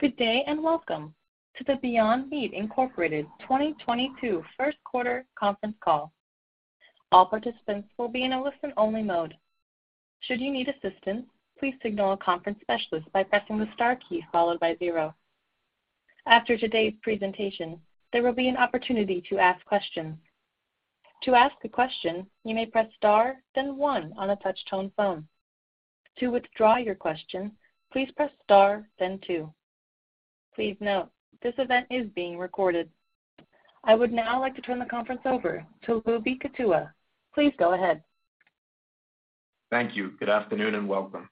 Good day, and welcome to the Beyond Meat, Inc. 2022 Q1 conference call. All participants will be in a listen-only mode. Should you need assistance, please signal a conference specialist by pressing the star key followed by zero. After today's presentation, there will be an opportunity to ask questions. To ask a question, you may press star, then one on a touch-tone phone. To withdraw your question, please press star then two. Please note, this event is being recorded. I would now like to turn the conference over to Lubi Kutua. Please go ahead. Thank you. Good afternoon, and welcome.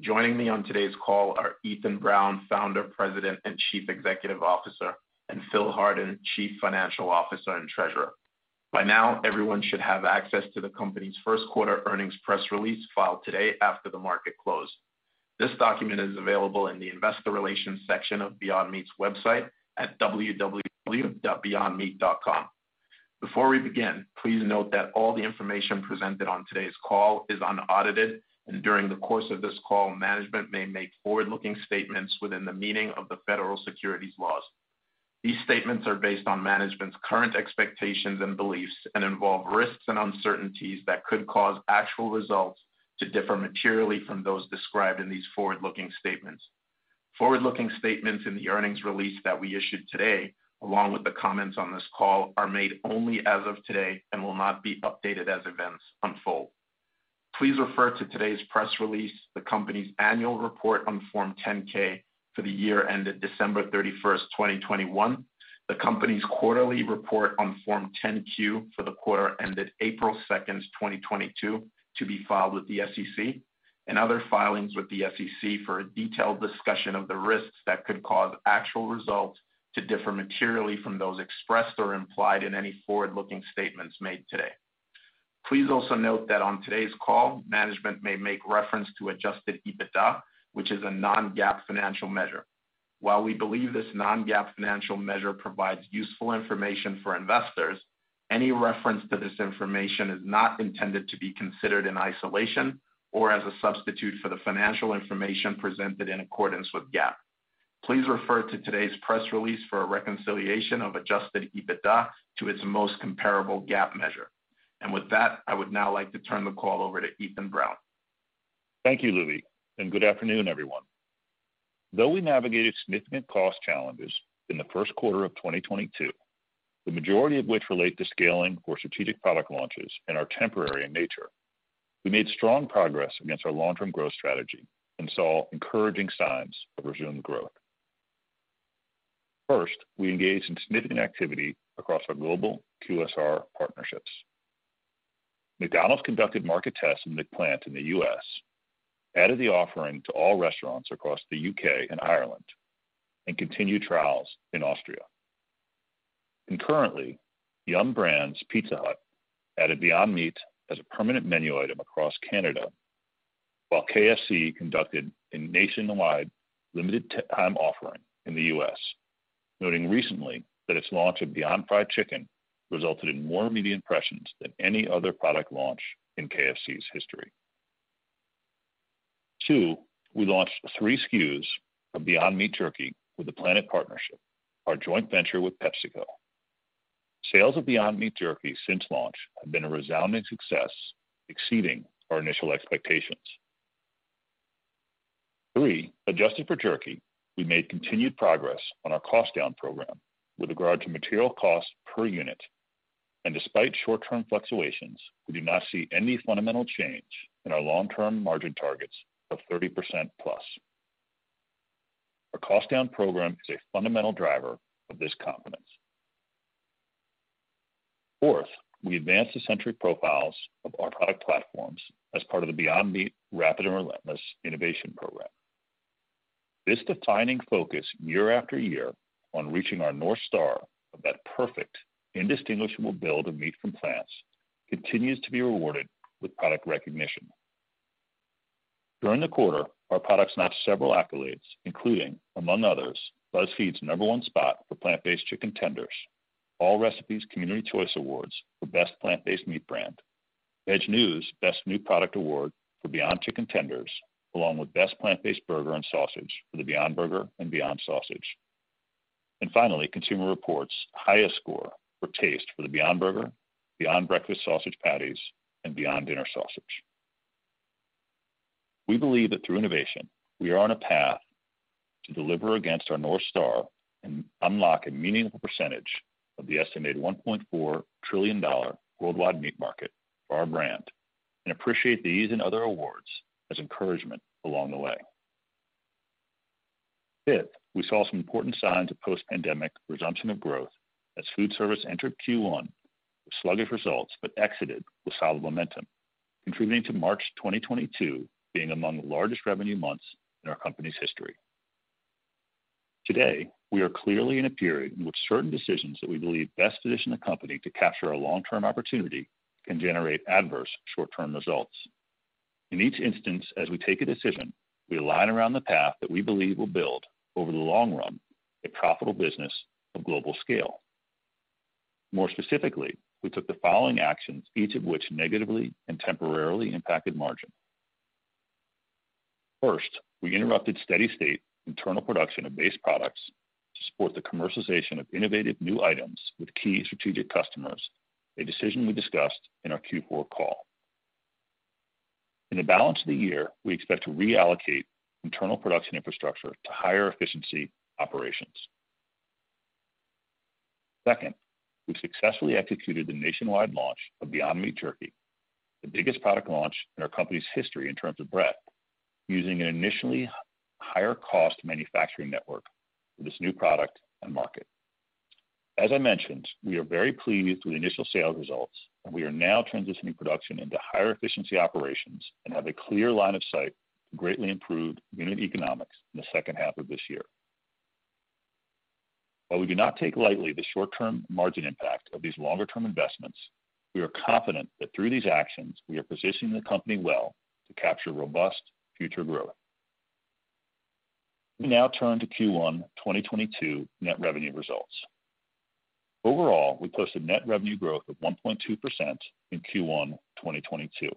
Joining me on today's call are Ethan Brown, Founder, President, and Chief Executive Officer, and Phil Hardin, Chief Financial Officer and Treasurer. By now, everyone should have access to the company's Q1 earnings press release filed today after the market closed. This document is available in the investor relations section of Beyond Meat's website at www.beyondmeat.com. Before we begin, please note that all the information presented on today's call is unaudited, and during the course of this call, management may make forward-looking statements within the meaning of the federal securities laws. These statements are based on management's current expectations and beliefs and involve risks and uncertainties that could cause actual results to differ materially from those described in these forward-looking statements. Forward-looking statements in the earnings release that we issued today, along with the comments on this call, are made only as of today and will not be updated as events unfold. Please refer to today's press release, the company's annual report on Form 10-K for the year ended December 31, 2021, the company's quarterly report on Form 10-Q for the quarter ended April 2, 2022, to be filed with the SEC, and other filings with the SEC for a detailed discussion of the risks that could cause actual results to differ materially from those expressed or implied in any forward-looking statements made today. Please also note that on today's call, management may make reference to adjusted EBITDA, which is a non-GAAP financial measure. While we believe this non-GAAP financial measure provides useful information for investors, any reference to this information is not intended to be considered in isolation or as a substitute for the financial information presented in accordance with GAAP. Please refer to today's press release for a reconciliation of adjusted EBITDA to its most comparable GAAP measure. With that, I would now like to turn the call over to Ethan Brown. Thank you, Lubi, and good afternoon, everyone. Though we navigated significant cost challenges in the Q1 of 2022, the majority of which relate to scaling or strategic product launches and are temporary in nature, we made strong progress against our long-term growth strategy and saw encouraging signs of resumed growth. First, we engaged in significant activity across our global QSR partnerships. McDonald's conducted market tests in McPlant in the U.S., added the offering to all restaurants across the U.K. and Ireland, and continued trials in Austria. Concurrently, Yum! Brands Pizza Hut added Beyond Meat as a permanent menu item across Canada, while KFC conducted a nationwide limited time offering in the U.S., noting recently that its launch of Beyond Fried Chicken resulted in more media impressions than any other product launch in KFC's history. Two, we launched three SKUs of Beyond Meat Turkey with The PLANeT Partnership, our joint venture with PepsiCo. Sales of Beyond Meat Turkey since launch have been a resounding success, exceeding our initial expectations. Three, adjusted for turkey, we made continued progress on our cost down program with regard to material costs per unit. Despite short-term fluctuations, we do not see any fundamental change in our long-term margin targets of +30%. Our cost down program is a fundamental driver of this confidence. Fourth, we advanced the sensory profiles of our product platforms as part of the Beyond Meat Rapid and Relentless Innovation program. This defining focus year after year on reaching our North Star of that perfect indistinguishable build of meat from plants continues to be rewarded with product recognition. During the quarter, our products notched several accolades, including, among others, BuzzFeed's number one spot for plant-based chicken tenders, Allrecipes Community Choice Awards for best plant-based meat brand, VegNews Best New Product Award for Beyond Chicken Tenders, along with best plant-based burger and sausage for the Beyond Burger and Beyond Sausage. Finally, Consumer Reports' highest score for taste for the Beyond Burger, Beyond Breakfast Sausage Patties, and Beyond Dinner Sausage. We believe that through innovation, we are on a path to deliver against our North Star and unlock a meaningful percentage of the estimated $1.4 trillion worldwide meat market for our brand and appreciate these and other awards as encouragement along the way. Fifth, we saw some important signs of post-pandemic resumption of growth as food service entered Q1 with sluggish results but exited with solid momentum, contributing to March 2022 being among the largest revenue months in our company's history. Today, we are clearly in a period in which certain decisions that we believe best position the company to capture a long-term opportunity can generate adverse short-term results. In each instance, as we take a decision, we align around the path that we believe will build over the long run, a profitable business of global scale. More specifically, we took the following actions, each of which negatively and temporarily impacted margin. First, we interrupted steady-state internal production of base products to support the commercialization of innovative new items with key strategic customers, a decision we discussed in our Q4 call. In the balance of the year, we expect to reallocate internal production infrastructure to higher efficiency operations. Second, we successfully executed the nationwide launch of Beyond Meat Turkey, the biggest product launch in our company's history in terms of breadth, using an initially higher cost manufacturing network for this new product and market. As I mentioned, we are very pleased with the initial sales results, and we are now transitioning production into higher efficiency operations and have a clear line of sight to greatly improve unit economics in the second half of this year. While we do not take lightly the short-term margin impact of these longer-term investments, we are confident that through these actions, we are positioning the company well to capture robust future growth. Let me now turn to Q1 2022 net revenue results. Overall, we posted net revenue growth of 1.2% in Q1 2022.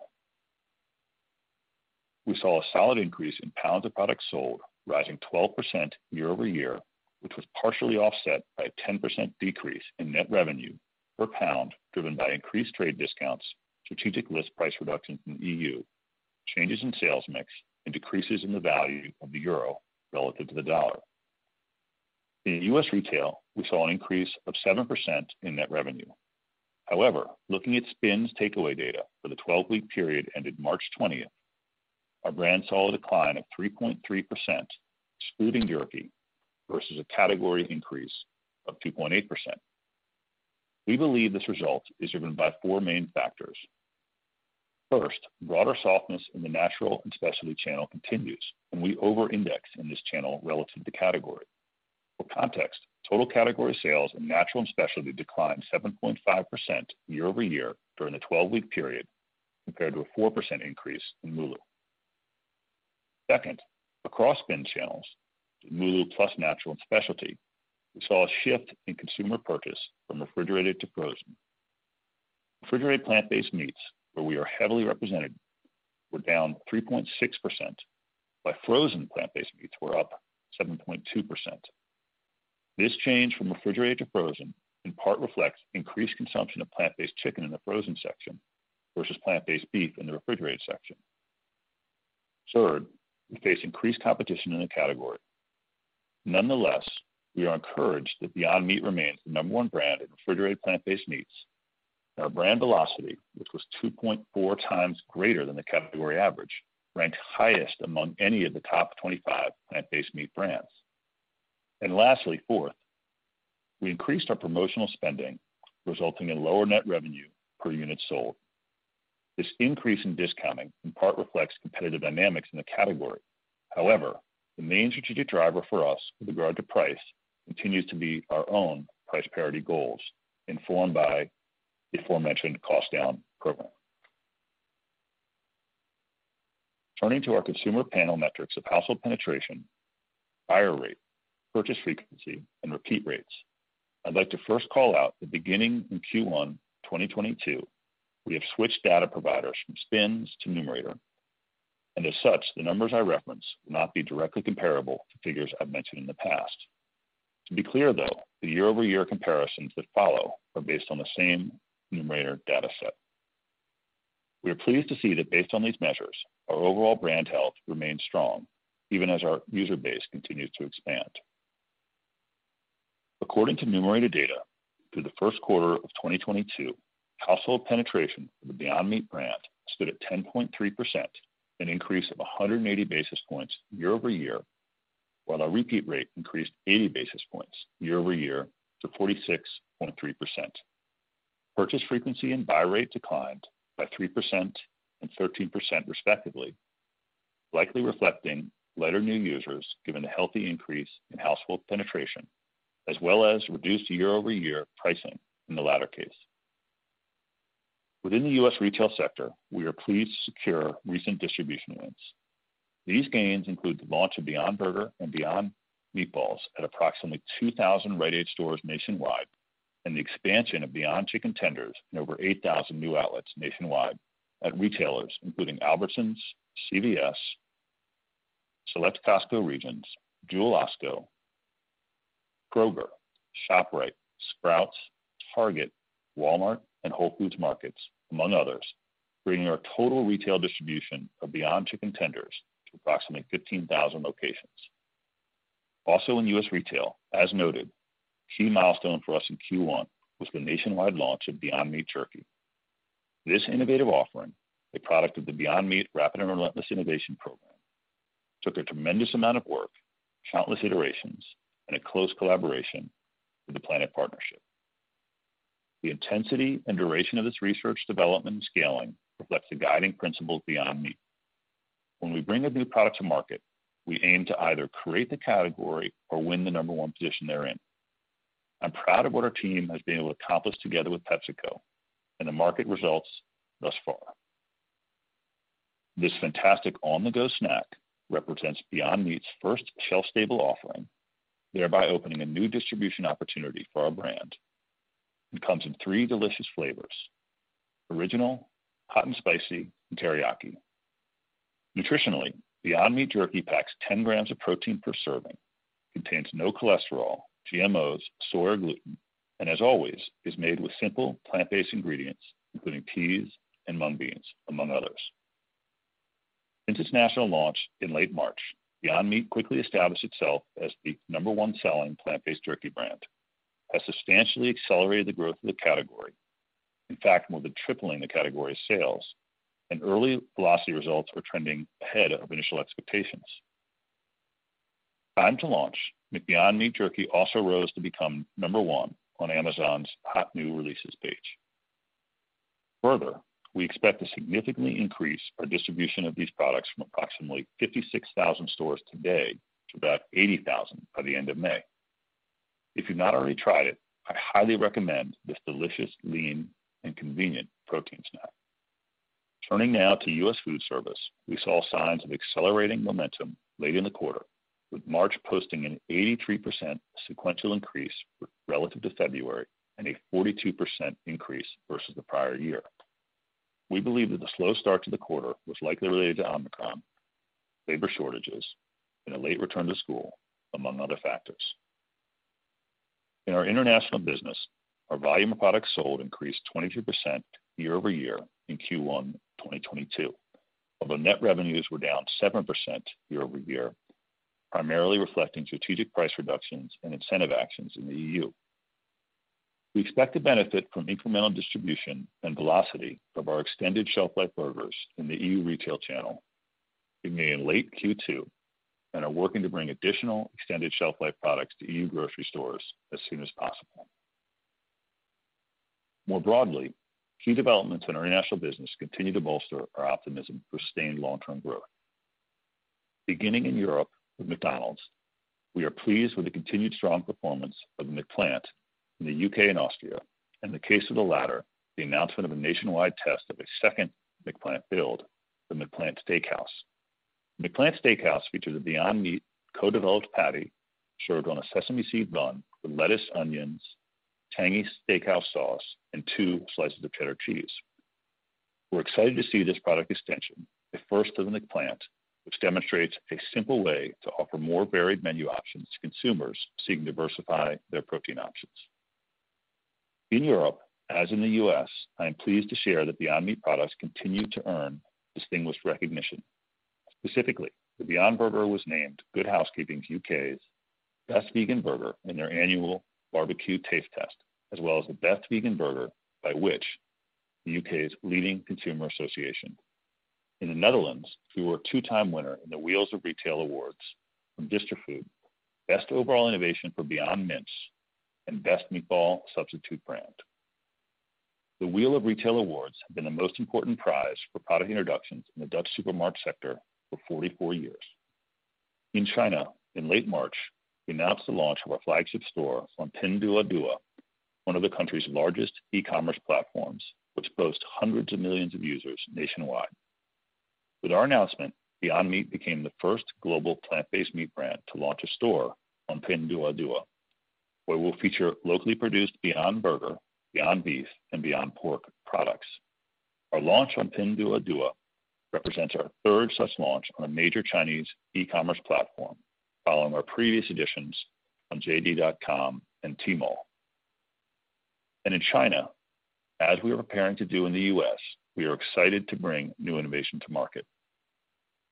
We saw a solid increase in pounds of products sold rising 12% year-over-year, which was partially offset by a 10% decrease in net revenue per pound, driven by increased trade discounts, strategic list price reductions in EU, changes in sales mix, and decreases in the value of the euro relative to the dollar. In U.S. retail, we saw an increase of 7% in net revenue. However, looking at SPINS takeaway data for the 12-week period ended March twentieth, our brand saw a decline of 3.3%, excluding jerky, versus a category increase of 2.8%. We believe this result is driven by four main factors. First, broader softness in the natural and specialty channel continues, and we over-index in this channel relative to category. For context, total category sales in natural and specialty declined 7.5% year-over-year during the 12-week period, compared to a 4% increase in MULO. Second, across SPINS channels, MULO plus natural and specialty, we saw a shift in consumer purchase from refrigerated to frozen. Refrigerated plant-based meats, where we are heavily represented, were down 3.6%, while frozen plant-based meats were up 7.2%. This change from refrigerated to frozen in part reflects increased consumption of plant-based chicken in the frozen section versus plant-based beef in the refrigerated section. Third, we face increased competition in the category. Nonetheless, we are encouraged that Beyond Meat remains the number one brand in refrigerated plant-based meats. Our brand velocity, which was 2.4x greater than the category average, ranked highest among any of the top 25 plant-based meat brands. Lastly, fourth, we increased our promotional spending, resulting in lower net revenue per unit sold. This increase in discounting in part reflects competitive dynamics in the category. However, the main strategic driver for us with regard to price continues to be our own price parity goals, informed by the aforementioned cost down program. Turning to our consumer panel metrics of household penetration, buyer rate, purchase frequency, and repeat rates, I'd like to first call out that beginning in Q1 2022, we have switched data providers from SPINS to Numerator. And as such, the numbers I reference will not be directly comparable to figures I've mentioned in the past. To be clear, though, the year-over-year comparisons that follow are based on the same Numerator data set. We are pleased to see that based on these measures, our overall brand health remains strong, even as our user base continues to expand. According to Numerator data, through the Q1 of 2022, household penetration of the Beyond Meat brand stood at 10.3%, an increase of 180 basis points year-over-year, while our repeat rate increased 80 basis points year-over-year to 46.3%. Purchase frequency and buy rate declined by 3% and 13%, respectively, likely reflecting lighter new users given the healthy increase in household penetration, as well as reduced year-over-year pricing in the latter case. Within the U.S. retail sector, we are pleased to secure recent distribution wins. These gains include the launch of Beyond Burger and Beyond Meatballs at approximately 2,000 Rite Aid stores nationwide, and the expansion of Beyond Chicken Tenders in over 8,000 new outlets nationwide at retailers including Albertsons, CVS, select Costco regions, Jewel-Osco, Kroger, ShopRite, Sprouts, Target, Walmart, and Whole Foods Market, among others, bringing our total retail distribution of Beyond Chicken Tenders to approximately 15,000 locations. Also in U.S. retail, as noted, a key milestone for us in Q1 was the nationwide launch of Beyond Meat Turkey. This innovative offering, a product of the Beyond Meat Rapid and Relentless Innovation program, took a tremendous amount of work, countless iterations, and a close collaboration with The PLANeT Partnership. The intensity and duration of this research development and scaling reflects the guiding principles of Beyond Meat. When we bring a new product to market, we aim to either create the category or win the number one position therein. I'm proud of what our team has been able to accomplish together with PepsiCo and the market results thus far. This fantastic on-the-go snack represents Beyond Meat's first shelf-stable offering, thereby opening a new distribution opportunity for our brand. It comes in three delicious flavors, original, hot and spicy, and teriyaki. Nutritionally, Beyond Meat Jerky packs 10 g of protein per serving, contains no cholesterol, GMOs, soy, or gluten, and as always, is made with simple plant-based ingredients, including peas and mung beans, among others. Since its national launch in late March, Beyond Meat quickly established itself as the number one selling plant-based jerky brand, has substantially accelerated the growth of the category. In fact, more than tripling the category sales and early velocity results are trending ahead of initial expectations. Time to launch, Beyond Meat Jerky also rose to become number one on Amazon's hot new releases page. Further, we expect to significantly increase our distribution of these products from approximately 56,000 stores today to about 80,000 by the end of May. If you've not already tried it, I highly recommend this delicious lean and convenient protein snack. Turning now to U.S. food service, we saw signs of accelerating momentum late in the quarter, with March posting an 83% sequential increase relative to February and a 42% increase versus the prior year. We believe that the slow start to the quarter was likely related to Omicron, labor shortages, and a late return to school, among other factors. In our international business, our volume of products sold increased 22% year-over-year in Q1 2022. Although net revenues were down 7% year-over-year, primarily reflecting strategic price reductions and incentive actions in the EU. We expect to benefit from incremental distribution and velocity of our extended shelf life burgers in the EU retail channel beginning in late Q2, and are working to bring additional extended shelf life products to EU grocery stores as soon as possible. More broadly, key developments in our international business continue to bolster our optimism for sustained long-term growth. Beginning in Europe with McDonald's, we are pleased with the continued strong performance of McPlant in the U.K. and Austria. In the case of the latter, the announcement of a nationwide test of a second McPlant build, the McPlant Steakhouse. McPlant Steakhouse features a Beyond Meat co-developed patty served on a sesame seed bun with lettuce, onions, tangy steakhouse sauce, and two slices of cheddar cheese. We're excited to see this product extension, the first of McPlant, which demonstrates a simple way to offer more varied menu options to consumers seeking to diversify their protein options. In Europe, as in the U.S., I am pleased to share that Beyond Meat products continue to earn distinguished recognition. Specifically, the Beyond Burger was named Good Housekeeping U.K.'s best vegan burger in their annual barbecue taste test, as well as the best vegan burger by Which?, the U.K.'s leading consumer association. In the Netherlands, we were a 2x winner in the Wheels of Retail awards from Distrifood. Best overall innovation for Beyond Mince and best meatball substitute brand. The Wheels of Retail awards have been the most important prize for product introductions in the Dutch supermarket sector for 44 years. In China, in late March, we announced the launch of our flagship store on Pinduoduo, one of the country's largest e-commerce platforms, which boasts hundreds of millions of users nationwide. With our announcement, Beyond Meat became the first global plant-based meat brand to launch a store on Pinduoduo, where we'll feature locally produced Beyond Burger, Beyond Beef, and Beyond Pork products. Our launch on Pinduoduo represents our third such launch on a major Chinese e-commerce platform, following our previous editions on JD.com and Tmall. In China, as we are preparing to do in the U.S., we are excited to bring new innovation to market.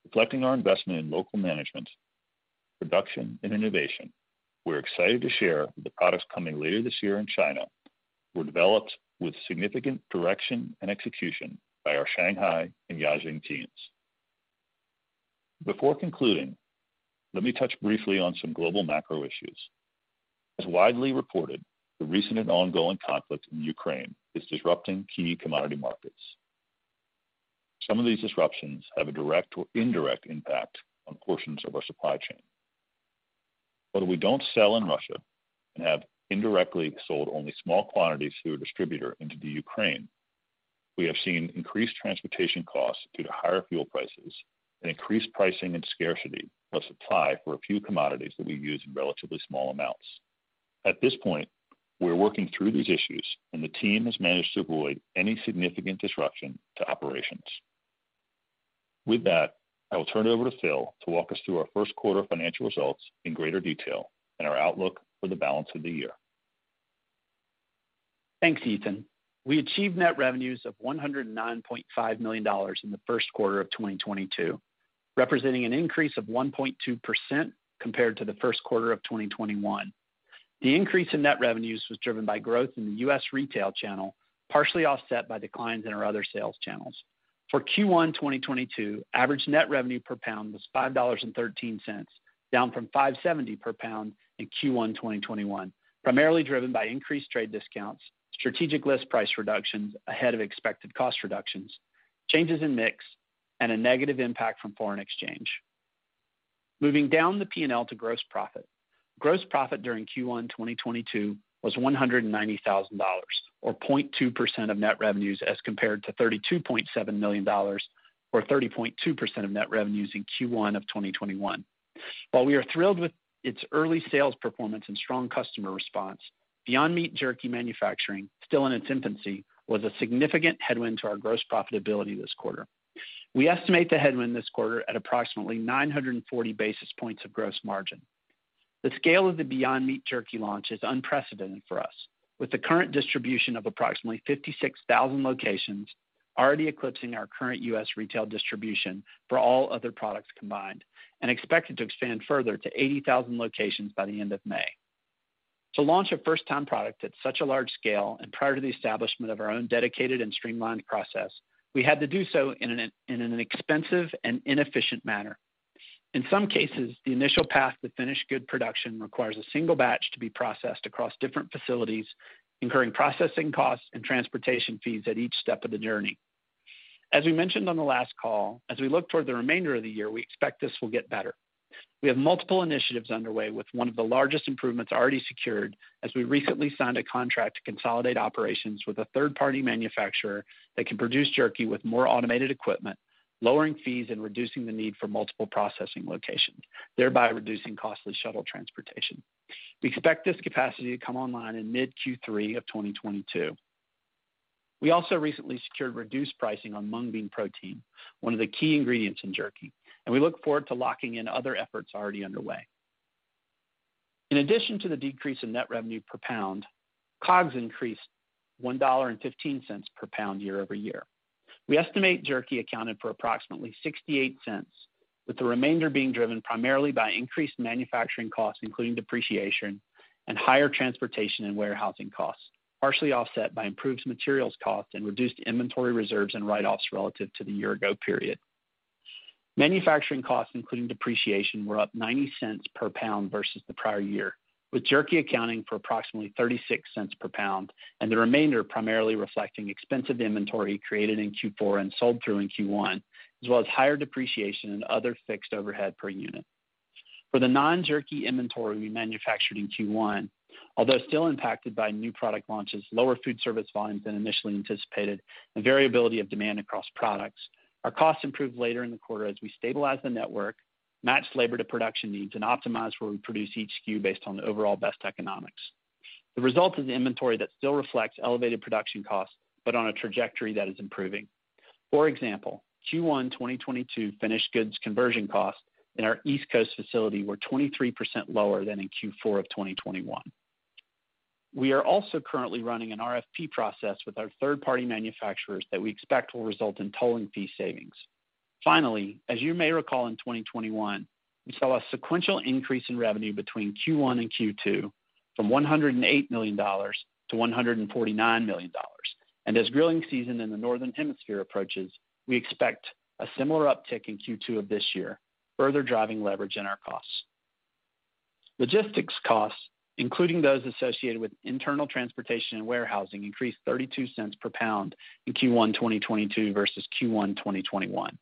Reflecting our investment in local management, production, and innovation, we're excited to share the products coming later this year in China were developed with significant direction and execution by our Shanghai and Jiaxing teams. Before concluding, let me touch briefly on some global macro issues. As widely reported, the recent and ongoing conflict in Ukraine is disrupting key commodity markets. Some of these disruptions have a direct or indirect impact on portions of our supply chain. Although we don't sell in Russia and have indirectly sold only small quantities through a distributor into the Ukraine, we have seen increased transportation costs due to higher fuel prices and increased pricing and scarcity of supply for a few commodities that we use in relatively small amounts. At this point, we're working through these issues, and the team has managed to avoid any significant disruption to operations. With that, I will turn it over to Phil to walk us through our Q1 financial results in greater detail and our outlook for the balance of the year. Thanks, Ethan. We achieved net revenues of $109.5 million in the Q1 of 2022, representing an increase of 1.2% compared to the Q1 of 2021. The increase in net revenues was driven by growth in the U.S. retail channel, partially offset by declines in our other sales channels. For Q1 2022, average net revenue per pound was $5.13, down from $5.70 per pound in Q1 2021, primarily driven by increased trade discounts, strategic list price reductions ahead of expected cost reductions, changes in mix, and a negative impact from foreign exchange. Moving down the P&L to gross profit. Gross profit during Q1 2022 was $190,000, or 0.2% of net revenues, as compared to $32.7 million or 30.2% of net revenues in Q1 of 2021. While we are thrilled with its early sales performance and strong customer response, Beyond Meat Jerky manufacturing, still in its infancy, was a significant headwind to our gross profitability this quarter. We estimate the headwind this quarter at approximately 940 basis points of gross margin. The scale of the Beyond Meat Jerky launch is unprecedented for us, with the current distribution of approximately 56,000 locations already eclipsing our current U.S. retail distribution for all other products combined and expected to expand further to 80,000 locations by the end of May. To launch a first-time product at such a large scale and prior to the establishment of our own dedicated and streamlined process, we had to do so in an expensive and inefficient manner. In some cases, the initial path to finished good production requires a single batch to be processed across different facilities, incurring processing costs and transportation fees at each step of the journey. As we mentioned on the last call, as we look toward the remainder of the year, we expect this will get better. We have multiple initiatives underway, with one of the largest improvements already secured as we recently signed a contract to consolidate operations with a third-party manufacturer that can produce jerky with more automated equipment, lowering fees and reducing the need for multiple processing locations, thereby reducing costly shuttle transportation. We expect this capacity to come online in mid Q3 of 2022. We also recently secured reduced pricing on mung bean protein, one of the key ingredients in jerky, and we look forward to locking in other efforts already underway. In addition to the decrease in net revenue per pound, COGS increased $1.15 per pound year-over-year. We estimate jerky accounted for approximately $0.68, with the remainder being driven primarily by increased manufacturing costs, including depreciation and higher transportation and warehousing costs, partially offset by improved materials cost and reduced inventory reserves and write-offs relative to the year ago period. Manufacturing costs, including depreciation, were up $0.90 per pound versus the prior year, with jerky accounting for approximately $0.36 per pound and the remainder primarily reflecting expensive inventory created in Q4 and sold through in Q1, as well as higher depreciation and other fixed overhead per unit. For the non-jerky inventory we manufactured in Q1, although still impacted by new product launches, lower food service volumes than initially anticipated, and variability of demand across products, our costs improved later in the quarter as we stabilized the network, matched labor to production needs, and optimized where we produce each SKU based on the overall best economics. The result is inventory that still reflects elevated production costs but on a trajectory that is improving. For example, Q1 2022 finished goods conversion costs in our East Coast facility were 23% lower than in Q4 of 2021. We are also currently running an RFP process with our third-party manufacturers that we expect will result in tolling fee savings. Finally, as you may recall, in 2021, we saw a sequential increase in revenue between Q1 and Q2 from $108 million to $149 million. As grilling season in the Northern Hemisphere approaches, we expect a similar uptick in Q2 of this year, further driving leverage in our costs. Logistics costs, including those associated with internal transportation and warehousing, increased $0.32 per pound in Q1 2022 versus Q1 2021.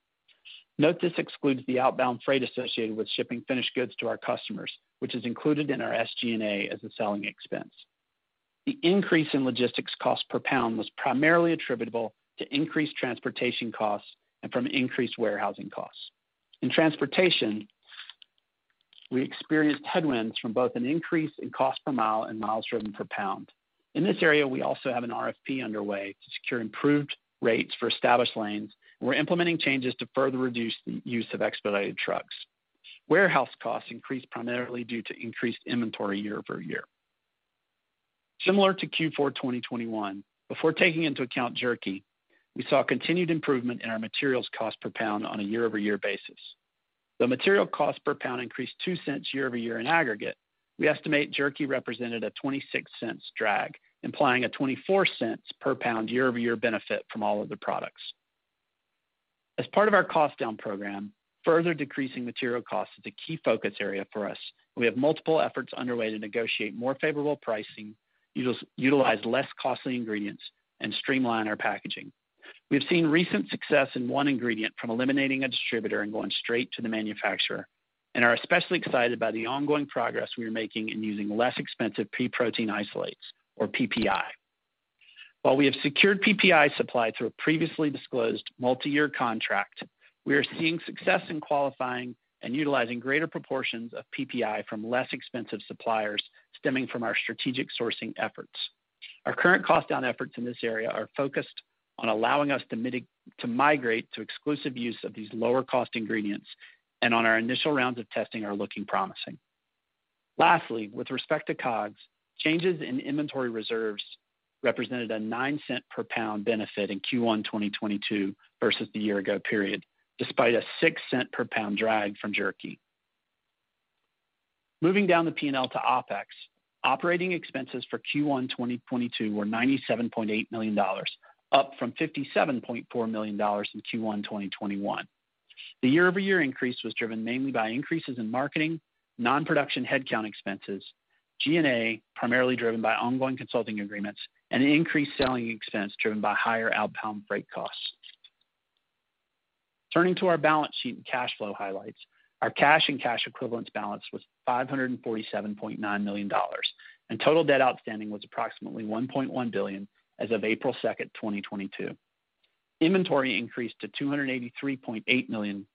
Note this excludes the outbound freight associated with shipping finished goods to our customers, which is included in our SG&A as a selling expense. The increase in logistics cost per pound was primarily attributable to increased transportation costs and from increased warehousing costs. In transportation, we experienced headwinds from both an increase in cost per mile and miles driven per pound. In this area, we also have an RFP underway to secure improved rates for established lanes, and we're implementing changes to further reduce the use of expedited trucks. Warehouse costs increased primarily due to increased inventory year-over-year. Similar to Q4 2021, before taking into account jerky, we saw continued improvement in our materials cost per pound on a year-over-year basis. The material cost per pound increased $0.02 year-over-year in aggregate. We estimate jerky represented a $0.26 drag, implying a $0.24 per pound year-over-year benefit from all other products. As part of our cost down program, further decreasing material costs is a key focus area for us. We have multiple efforts underway to negotiate more favorable pricing, utilize less costly ingredients, and streamline our packaging. We've seen recent success in one ingredient from eliminating a distributor and going straight to the manufacturer and are especially excited by the ongoing progress we are making in using less expensive pea protein isolates or PPI. While we have secured PPI supply through a previously disclosed multi-year contract, we are seeing success in qualifying and utilizing greater proportions of PPI from less expensive suppliers stemming from our strategic sourcing efforts. Our current cost down efforts in this area are focused on allowing us to migrate to exclusive use of these lower cost ingredients and on our initial rounds of testing are looking promising. Lastly, with respect to COGS, changes in inventory reserves represented a $0.09 per pound benefit in Q1 2022 versus the year ago period, despite a $0.06 per pound drag from jerky. Moving down the P&L to OpEx, operating expenses for Q1 2022 were $97.8 million, up from $57.4 million in Q1 2021. The year-over-year increase was driven mainly by increases in marketing, non-production headcount expenses, G&A primarily driven by ongoing consulting agreements and increased selling expense driven by higher outbound freight costs. Turning to our balance sheet and cash flow highlights. Our cash and cash equivalents balance was $547.9 million, and total debt outstanding was approximately $1.1 billion as of April 2, 2022. Inventory increased to $283.8 million,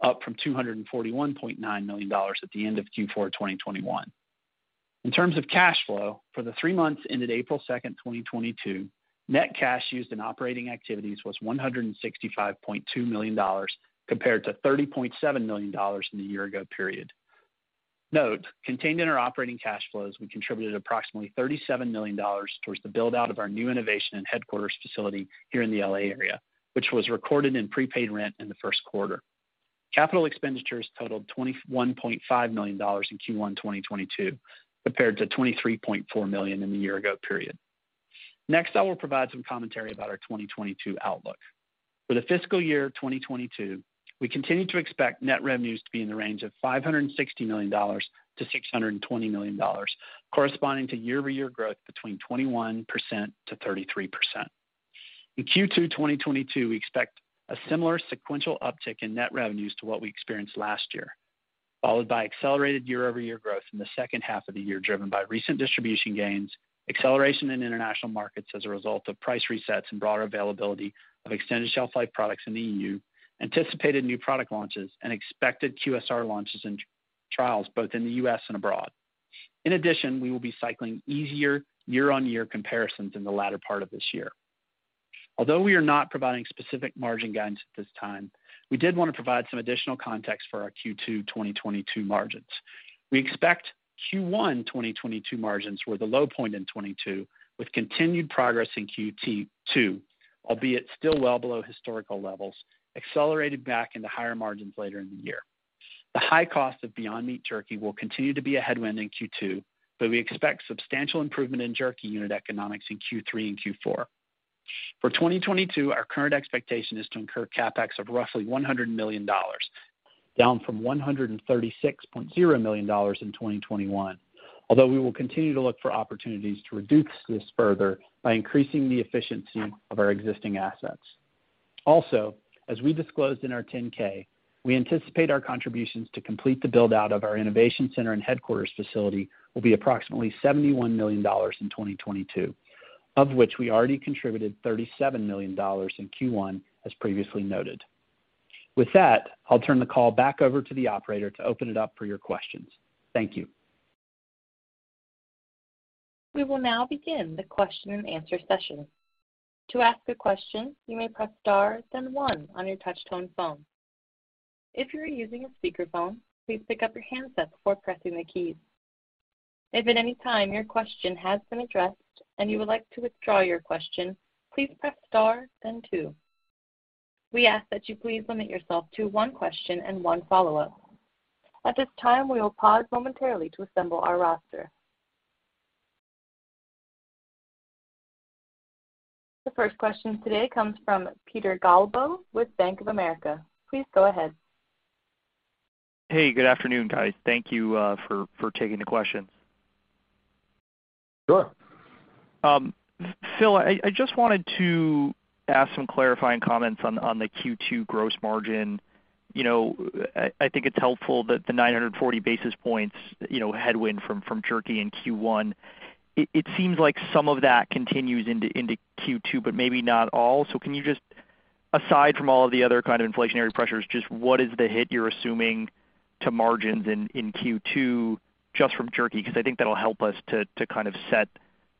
up from $241.9 million at the end of Q4 2021. In terms of cash flow, for the three months ended April second, 2022, net cash used in operating activities was $165.2 million compared to $30.7 million in the year ago period. Note, contained in our operating cash flows, we contributed approximately $37 million towards the build out of our new innovation and headquarters facility here in the L.A. area, which was recorded in prepaid rent in the Q1. Capital expenditures totaled $21.5 million in Q1 2022 compared to $23.4 million in the year ago period. Next, I will provide some commentary about our 2022 outlook. For the fiscal year 2022, we continue to expect net revenues to be in the range of $560 million-$620 million, corresponding to year-over-year growth between 21%-33%. In Q2 2022, we expect a similar sequential uptick in net revenues to what we experienced last year, followed by accelerated year-over-year growth in the second half of the year, driven by recent distribution gains, acceleration in international markets as a result of price resets and broader availability of extended shelf life products in the EU, anticipated new product launches and expected QSR launches and trials both in the U.S. and abroad. In addition, we will be cycling easier year-over-year comparisons in the latter part of this year. Although we are not providing specific margin guidance at this time, we did want to provide some additional context for our Q2 2022 margins. We expect Q1 2022 margins were the low point in 2022, with continued progress in Q2, albeit still well below historical levels, accelerated back into higher margins later in the year. The high cost of Beyond Meat Jerky will continue to be a headwind in Q2, but we expect substantial improvement in jerky unit economics in Q3 and Q4. For 2022, our current expectation is to incur CapEx of roughly $100 million, down from $136.0 million in 2021. Although we will continue to look for opportunities to reduce this further by increasing the efficiency of our existing assets. Also, as we disclosed in our 10-K, we anticipate our contributions to complete the build out of our innovation center and headquarters facility will be approximately $71 million in 2022, of which we already contributed $37 million in Q1, as previously noted. With that, I'll turn the call back over to the operator to open it up for your questions. Thank you. We will now begin the Q&A session. To ask a question, you may press star then one on your touch tone phone. If you are using a speakerphone, please pick up your handset before pressing the keys. If at any time your question has been addressed and you would like to withdraw your question, please press star then two. We ask that you please limit yourself to one question and one follow-up. At this time, we will pause momentarily to assemble our roster. The first question today comes from Peter Galbo with Bank of America. Please go ahead. Hey, good afternoon, guys. Thank you for taking the questions. Sure. Phil, I just wanted to ask some clarifying comments on the Q2 gross margin. You know, I think it's helpful that the 940 basis points, you know, headwind from jerky in Q1. It seems like some of that continues into Q2, but maybe not all. Can you just, aside from all of the other kind of inflationary pressures, just what is the hit you're assuming to margins in Q2 just from jerky? Because I think that'll help us to kind of set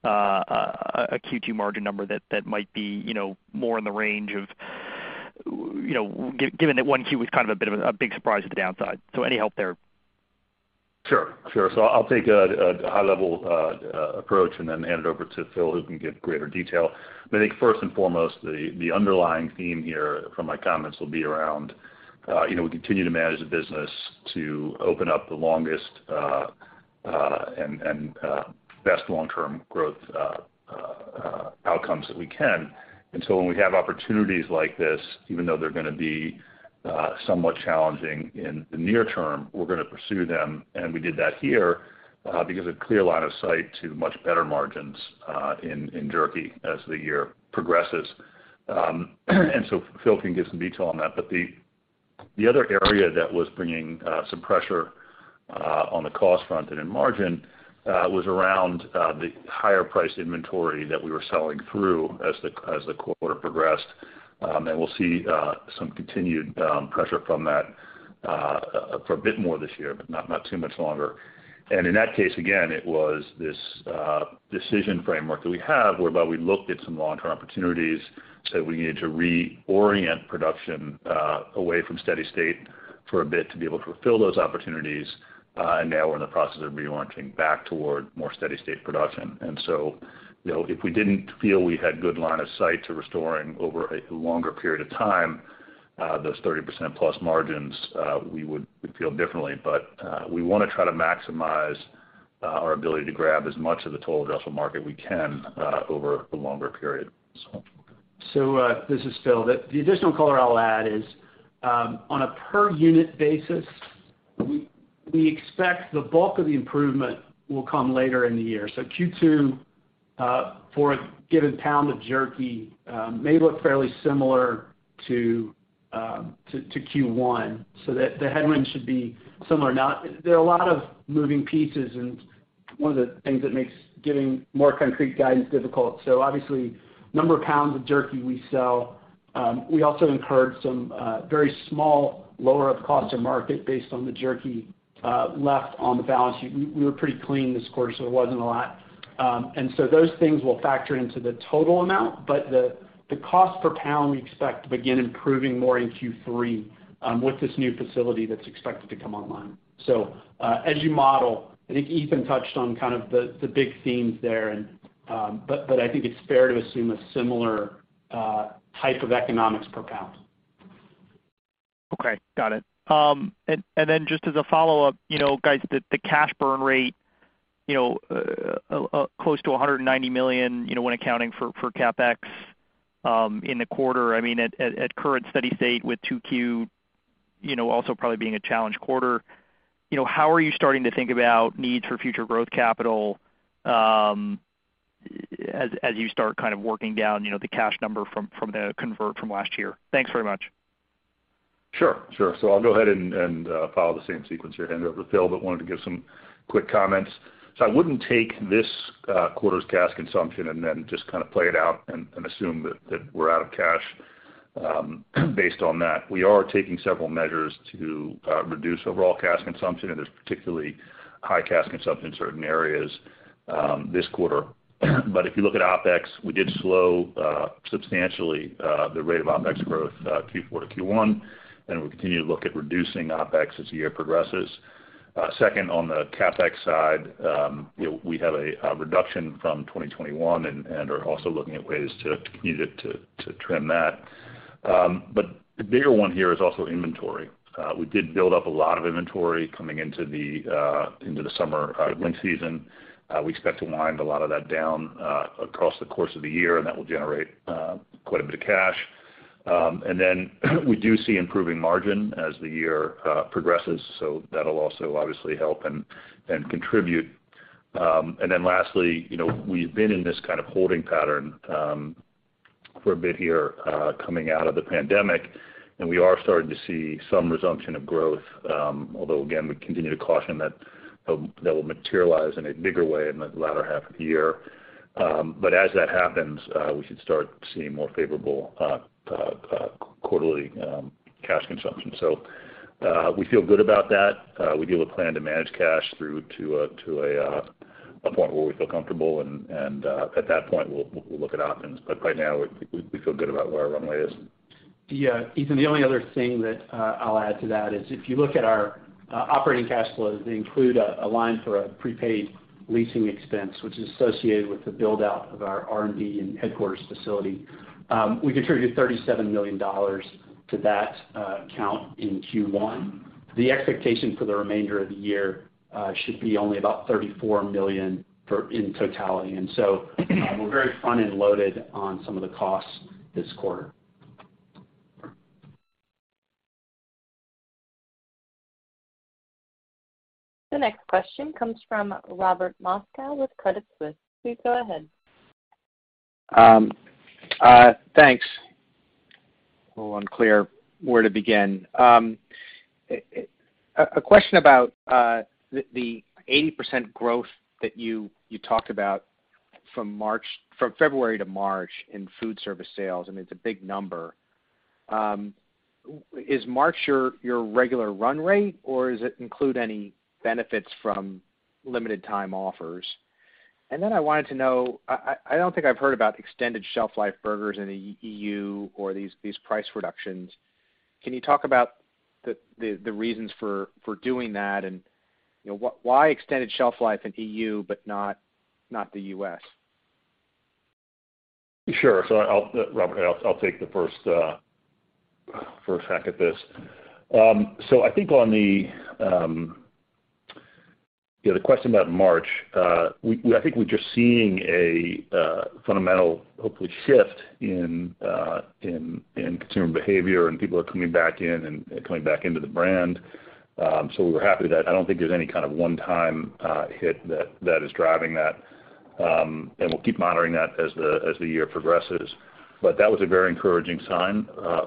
a Q2 margin number that might be, you know, more in the range of, you know, given that one Q was kind of a bit of a big surprise at the downside. Any help there? Sure, I'll take a high level approach and then hand it over to Phil, who can give greater detail. I think first and foremost, the underlying theme here from my comments will be around, you know, we continue to manage the business to open up the longest and best long-term growth outcomes that we can. When we have opportunities like this, even though they're gonna be somewhat challenging in the near term, we're gonna pursue them. We did that here because a clear line of sight to much better margins in jerky as the year progresses. Phil can give some detail on that. The other area that was bringing some pressure on the cost front and in margins was around the higher priced inventory that we were selling through as the quarter progressed. We'll see some continued pressure from that for a bit more this year, but not too much longer. In that case, again, it was this decision framework that we have whereby we looked at some long-term opportunities that we needed to reorient production away from steady state for a bit to be able to fulfill those opportunities. Now we're in the process of relaunching back toward more steady state production. You know, if we didn't feel we had good line of sight to restoring over a longer period of time, those +30% margins, we would feel differently. We wanna try to maximize our ability to grab as much of the total addressable market we can, over a longer period. This is Phil. The additional color I'll add is on a per unit basis, we expect the bulk of the improvement will come later in the year. Q2 for a given pound of jerky may look fairly similar to Q1. The headwind should be similar. Now, there are a lot of moving pieces and one of the things that makes giving more concrete guidance difficult. Obviously, number of pounds of jerky we sell. We also incurred some very small lower of cost or market based on the jerky left on the balance sheet. We were pretty clean this quarter, so it wasn't a lot. Those things will factor into the total amount, but the cost per pound we expect to begin improving more in Q3 with this new facility that's expected to come online. As you model, I think Ethan touched on kind of the big themes there and but I think it's fair to assume a similar type of economics per pound. Okay, got it. And then just as a follow-up, you know, guys, the cash burn rate, you know, close to $190 million, you know, when accounting for CapEx in the quarter. I mean, at current steady state with 2Q, you know, also probably being a challenged quarter, you know, how are you starting to think about needs for future growth capital, as you start kind of working down, you know, the cash number from the convertible from last year? Thanks very much. I'll go ahead and follow the same sequence here. Hand it over to Phil, but wanted to give some quick comments. I wouldn't take this quarter's cash consumption and then just kind of play it out and assume that we're out of cash, based on that. We are taking several measures to reduce overall cash consumption, and there's particularly high cash consumption in certain areas, this quarter. If you look at OpEx, we did slow substantially the rate of OpEx growth, Q4 to Q1, and we'll continue to look at reducing OpEx as the year progresses. Second, on the CapEx side, we have a reduction from 2021 and are also looking at ways to continue to trim that. The bigger one here is also inventory. We did build up a lot of inventory coming into the summer launch season. We expect to wind a lot of that down across the course of the year, and that will generate quite a bit of cash. We do see improving margin as the year progresses, so that'll also obviously help and contribute. Lastly, you know, we've been in this kind of holding pattern for a bit here coming out of the pandemic, and we are starting to see some resumption of growth, although again, we continue to caution that that will materialize in a bigger way in the latter half of the year. As that happens, we should start seeing more favorable quarterly cash consumption. We feel good about that. We do have a plan to manage cash through to a point where we feel comfortable and at that point we'll look at options. Right now we feel good about where our runway is. Yeah, Ethan, the only other thing that I'll add to that is if you look at our operating cash flows, they include a line for a prepaid leasing expense, which is associated with the build-out of our R&D and headquarters facility. We contributed $37 million to that account in Q1. The expectation for the remainder of the year should be only about $34 million in totality. We're very front-end loaded on some of the costs this quarter. The next question comes from Robert Moskow with Credit Suisse. Please go ahead. Thanks. A little unclear where to begin. A question about the 80% growth that you talked about from February to March in food service sales, I mean, it's a big number. Is March your regular run rate or does it include any benefits from limited time offers? I wanted to know, I don't think I've heard about extended shelf life burgers in the EU or these price reductions. Can you talk about the reasons for doing that and, you know, why extended shelf life in EU but not the U.S.? Sure. Robert, I'll take the first hack at this. I think on the question about March, we're just seeing a fundamental, hopefully shift in consumer behavior and people are coming back in and coming back into the brand. We're happy with that. I don't think there's any kind of one-time hit that is driving that. We'll keep monitoring that as the year progresses. That was a very encouraging sign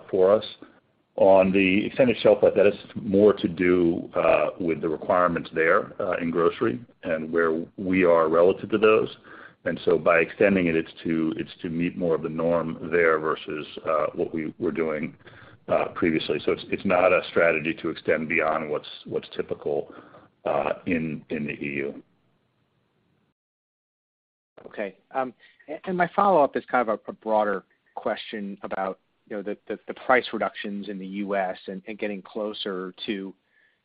for us. On the extended shelf life, that is more to do with the requirements there in grocery and where we are relative to those. By extending it's to meet more of the norm there versus what we were doing previously. It's not a strategy to extend beyond what's typical in the EU. Okay. My follow-up is kind of a broader question about, you know, the price reductions in the U.S. and getting closer to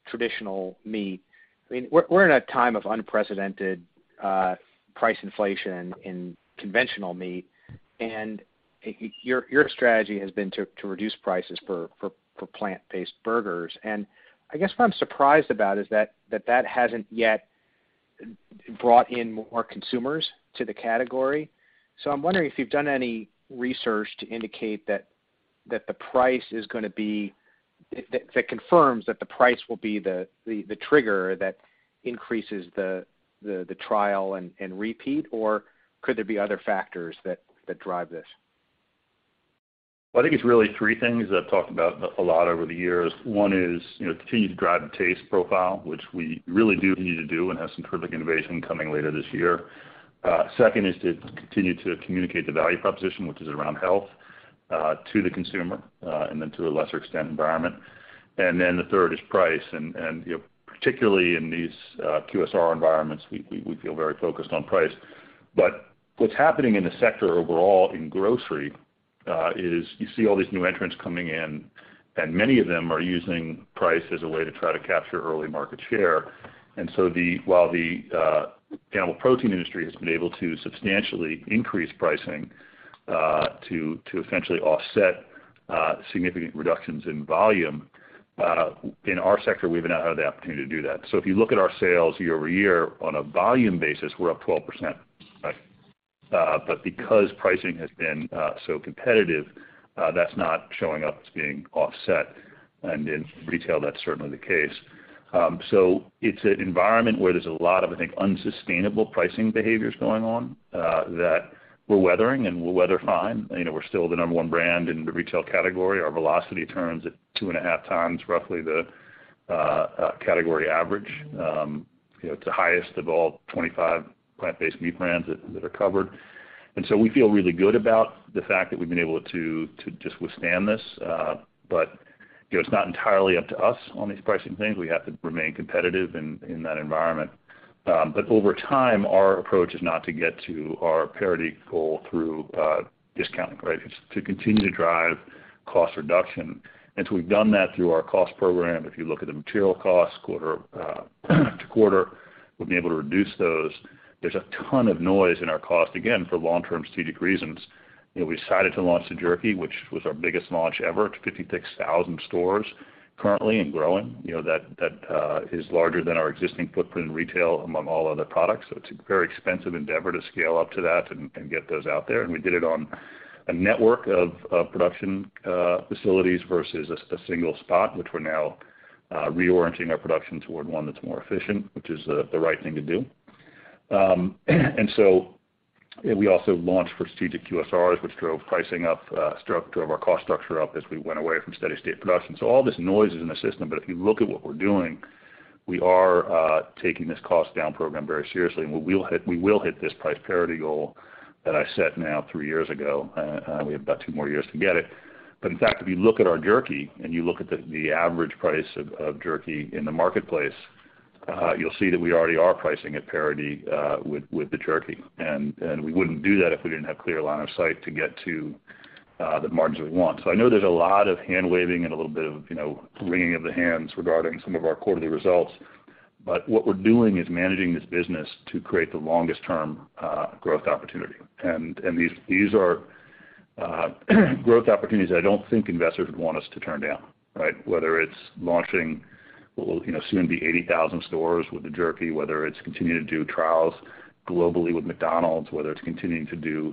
traditional meat. I mean, we're in a time of unprecedented price inflation in conventional meat, and your strategy has been to reduce prices for plant-based burgers. I guess what I'm surprised about is that that hasn't yet brought in more consumers to the category. I'm wondering if you've done any research to indicate that the price is gonna be that confirms that the price will be the trigger that increases the trial and repeat, or could there be other factors that drive this? I think it's really three things that I've talked about a lot over the years. One is, you know, continue to drive the taste profile, which we really do need to do and have some terrific innovation coming later this year. Second is to continue to communicate the value proposition, which is around health to the consumer, and then to a lesser extent, environment. And then the third is price, and, you know, particularly in these QSR environments, we feel very focused on price. What's happening in the sector overall in grocery is you see all these new entrants coming in, and many of them are using price as a way to try to capture early market share. While the animal protein industry has been able to substantially increase pricing to essentially offset significant reductions in volume, in our sector, we've not had the opportunity to do that. If you look at our sales year-over-year on a volume basis, we're up 12%. But because pricing has been so competitive, that's not showing up as being offset, and in retail, that's certainly the case. So it's an environment where there's a lot of, I think, unsustainable pricing behaviors going on that we're weathering and we'll weather fine. You know, we're still the number one brand in the retail category. Our velocity turns at two and a half times, roughly the category average. You know, it's the highest of all 25 plant-based meat brands that are covered. We feel really good about the fact that we've been able to just withstand this. You know, it's not entirely up to us on these pricing things. We have to remain competitive in that environment. Over time, our approach is not to get to our parity goal through discounting, right? It's to continue to drive cost reduction. We've done that through our cost program. If you look at the material costs quarter to quarter, we've been able to reduce those. There's a ton of noise in our cost, again, for long-term strategic reasons. You know, we decided to launch the jerky, which was our biggest launch ever to 56,000 stores currently and growing. You know, that is larger than our existing footprint in retail among all other products. It's a very expensive endeavor to scale up to that and get those out there. We did it on a network of production facilities versus a single spot, which we're now reorienting our production toward one that's more efficient, which is the right thing to do. We also launched strategic QSRs, which drove pricing up, drove our cost structure up as we went away from steady-state production. All this noise is in the system, but if you look at what we're doing, we are taking this cost down program very seriously, and we will hit this price parity goal that I set now three years ago. We have about two more years to get it. In fact, if you look at our jerky and you look at the average price of jerky in the marketplace, you'll see that we already are pricing at parity with the jerky. We wouldn't do that if we didn't have clear line of sight to get to the margins we want. I know there's a lot of hand-waving and a little bit of, you know, wringing of the hands regarding some of our quarterly results, but what we're doing is managing this business to create the longest term growth opportunity. These are growth opportunities I don't think investors would want us to turn down, right? Whether it's launching what will, you know, soon be 80,000 stores with the jerky, whether it's continuing to do trials globally with McDonald's, whether it's continuing to do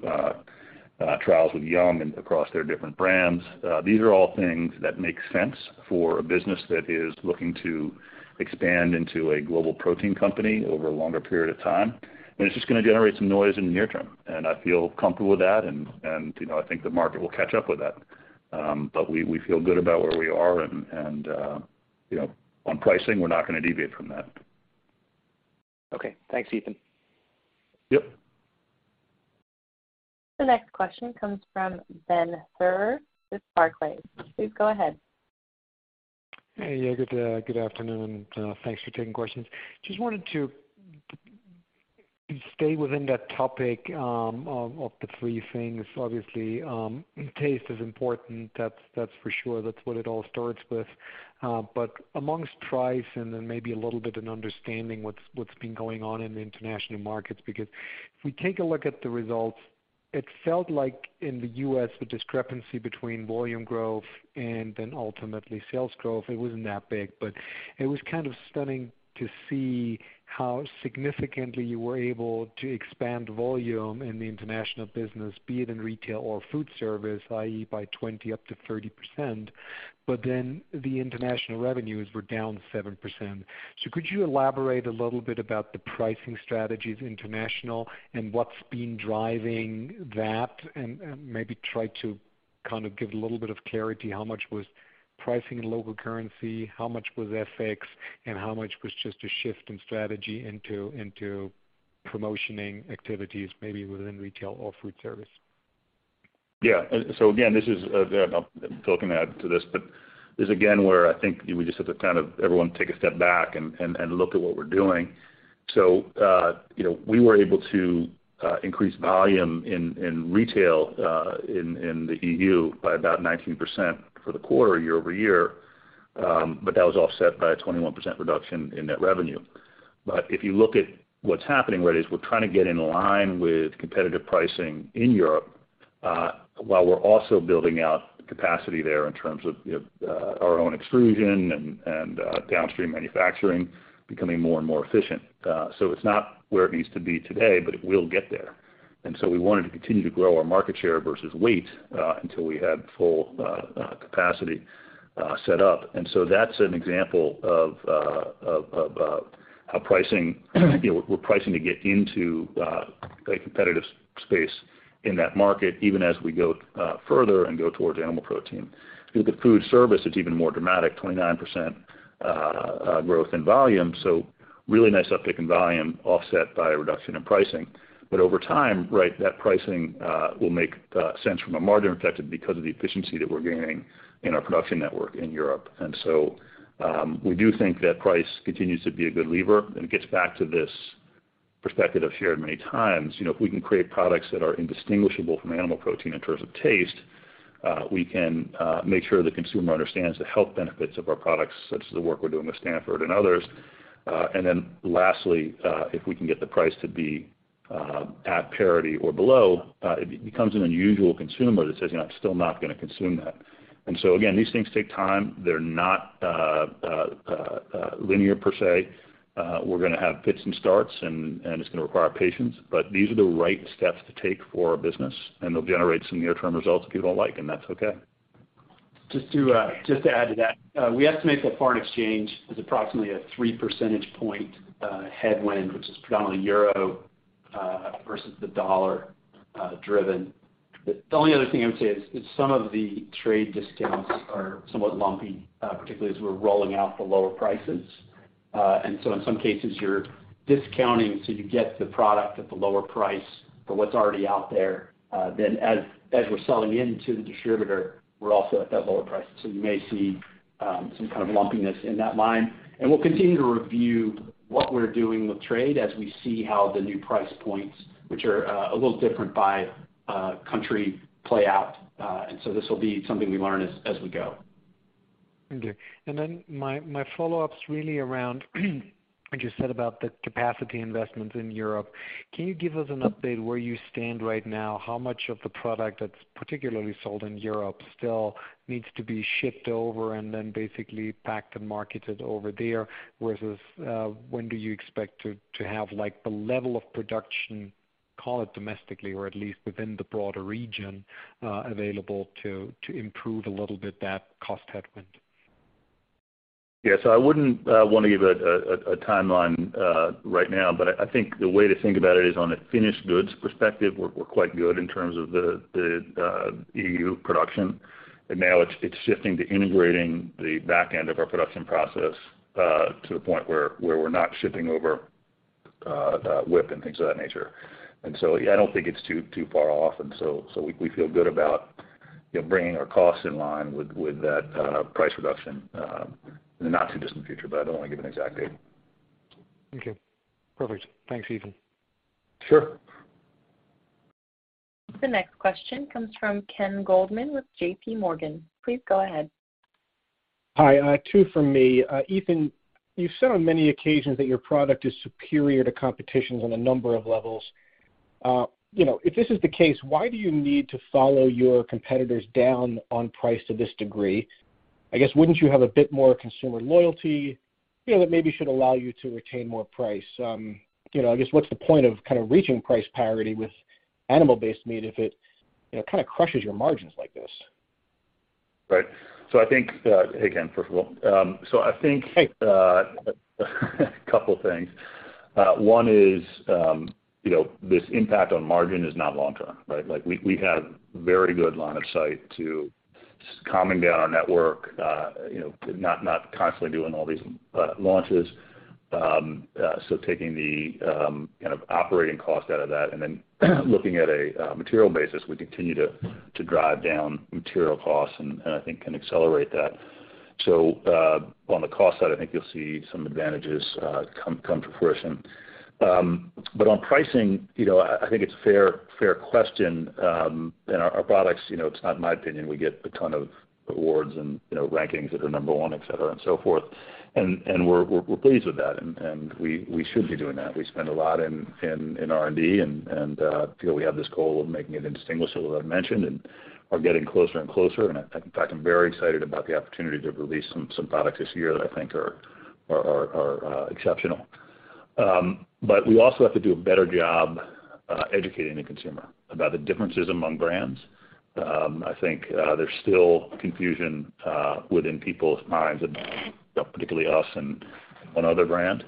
trials with Yum! and across their different brands. These are all things that make sense for a business that is looking to expand into a global protein company over a longer period of time. It's just gonna generate some noise in the near term. I feel comfortable with that, and you know, I think the market will catch up with that. But we feel good about where we are and you know, on pricing, we're not gonna deviate from that. Okay. Thanks, Ethan. Yep. The next question comes from Benjamin Theurer with Barclays. Please go ahead. Hey, good afternoon. Thanks for taking questions. Just wanted to stay within that topic of the three things. Obviously, taste is important, that's for sure. That's what it all starts with. But amongst price and then maybe a little bit an understanding what's been going on in the international markets, because if we take a look at the results, it felt like in the U.S., the discrepancy between volume growth and then ultimately sales growth, it wasn't that big, but it was kind of stunning to see how significantly you were able to expand volume in the international business, be it in retail or food service, i.e., by 20%-30%. But then the international revenues were down 7%. Could you elaborate a little bit about the pricing strategies international and what's been driving that? Maybe try to kind of give a little bit of clarity, how much was pricing in local currency, how much was FX, and how much was just a shift in strategy into promotional activities, maybe within retail or food service? Yeah. Again, this is, Phil can add to this, but this is again, where I think we just have to kind of everyone take a step back and look at what we're doing. You know, we were able to increase volume in retail in the EU by about 19% for the quarter year-over-year. That was offset by a 21% reduction in net revenue. If you look at what's happening, where it is we're trying to get in line with competitive pricing in Europe, while we're also building out capacity there in terms of, you know, our own extrusion and downstream manufacturing becoming more and more efficient. It's not where it needs to be today, but it will get there. We wanted to continue to grow our market share versus waiting until we had full capacity set up. That's an example of how pricing, you know, we're pricing to get into a competitive space in that market, even as we go further and go towards animal protein. If you look at food service, it's even more dramatic, 29% growth in volume. Really nice uptick in volume offset by a reduction in pricing. Over time, right, that pricing will make sense from a margin perspective because of the efficiency that we're gaining in our production network in Europe. We do think that price continues to be a good lever, and it gets back to this perspective I've shared many times. You know, if we can create products that are indistinguishable from animal protein in terms of taste, we can make sure the consumer understands the health benefits of our products, such as the work we're doing with Stanford and others. Then lastly, if we can get the price to be at parity or below, it becomes an unusual consumer that says, "You know, I'm still not gonna consume that." Again, these things take time. They're not linear per se. We're gonna have pits and starts and it's gonna require patience. These are the right steps to take for our business, and they'll generate some near-term results that people don't like, and that's okay. Just to add to that, we estimate that foreign exchange is approximately a 3 percentage point headwind, which is predominantly euro versus the dollar driven. The only other thing I would say is some of the trade discounts are somewhat lumpy, particularly as we're rolling out the lower prices. In some cases you're discounting so you get the product at the lower price for what's already out there. As we're selling into the distributor, we're also at that lower price. You may see some kind of lumpiness in that line. We'll continue to review what we're doing with trade as we see how the new price points, which are a little different by country, play out. This will be something we learn as we go. Okay. My follow-up's really around what you said about the capacity investment in Europe. Can you give us an update where you stand right now? How much of the product that's particularly sold in Europe still needs to be shipped over and then basically packed and marketed over there? Versus, when do you expect to have like the level of production, call it domestically or at least within the broader region, available to improve a little bit that cost headwind? Yeah. I wouldn't wanna give a timeline right now, but I think the way to think about it is on a finished goods perspective, we're quite good in terms of the EU production. Now it's shifting to integrating the back end of our production process to the point where we're not shipping over WIP and things of that nature. I don't think it's too far off. We feel good about, you know, bringing our costs in line with that price reduction in the not too distant future, but I don't wanna give an exact date. Okay. Perfect. Thanks, Ethan. Sure. The next question comes from Ken Goldman with JPMorgan. Please go ahead. Hi. Two from me. Ethan, you've said on many occasions that your product is superior to competitors on a number of levels. You know, if this is the case, why do you need to follow your competitors down on price to this degree? I guess, wouldn't you have a bit more consumer loyalty, you know, that maybe should allow you to retain more price? You know, I guess, what's the point of kind of reaching price parity with animal-based meat if it, you know, kind of crushes your margins like this? Right. I think, hey, Ken, first of all. Hey. A couple things. One is, you know, this impact on margin is not long-term, right? Like, we have very good line of sight to calming down our network, you know, not constantly doing all these launches. Taking the kind of operating cost out of that and then looking at a material basis, we continue to drive down material costs and I think can accelerate that. On the cost side, I think you'll see some advantages come to fruition. On pricing, you know, I think it's a fair question. Our products, you know, it's not in my opinion, we get a ton of awards and, you know, rankings that are number one, et cetera, and so forth. We're pleased with that. We should be doing that. We spend a lot in R&D and feel we have this goal of making it indistinguishable, as I mentioned, and are getting closer and closer. In fact, I'm very excited about the opportunity to release some products this year that I think are exceptional. We also have to do a better job educating the consumer about the differences among brands. I think there's still confusion within people's minds about, you know, particularly us and one other brand,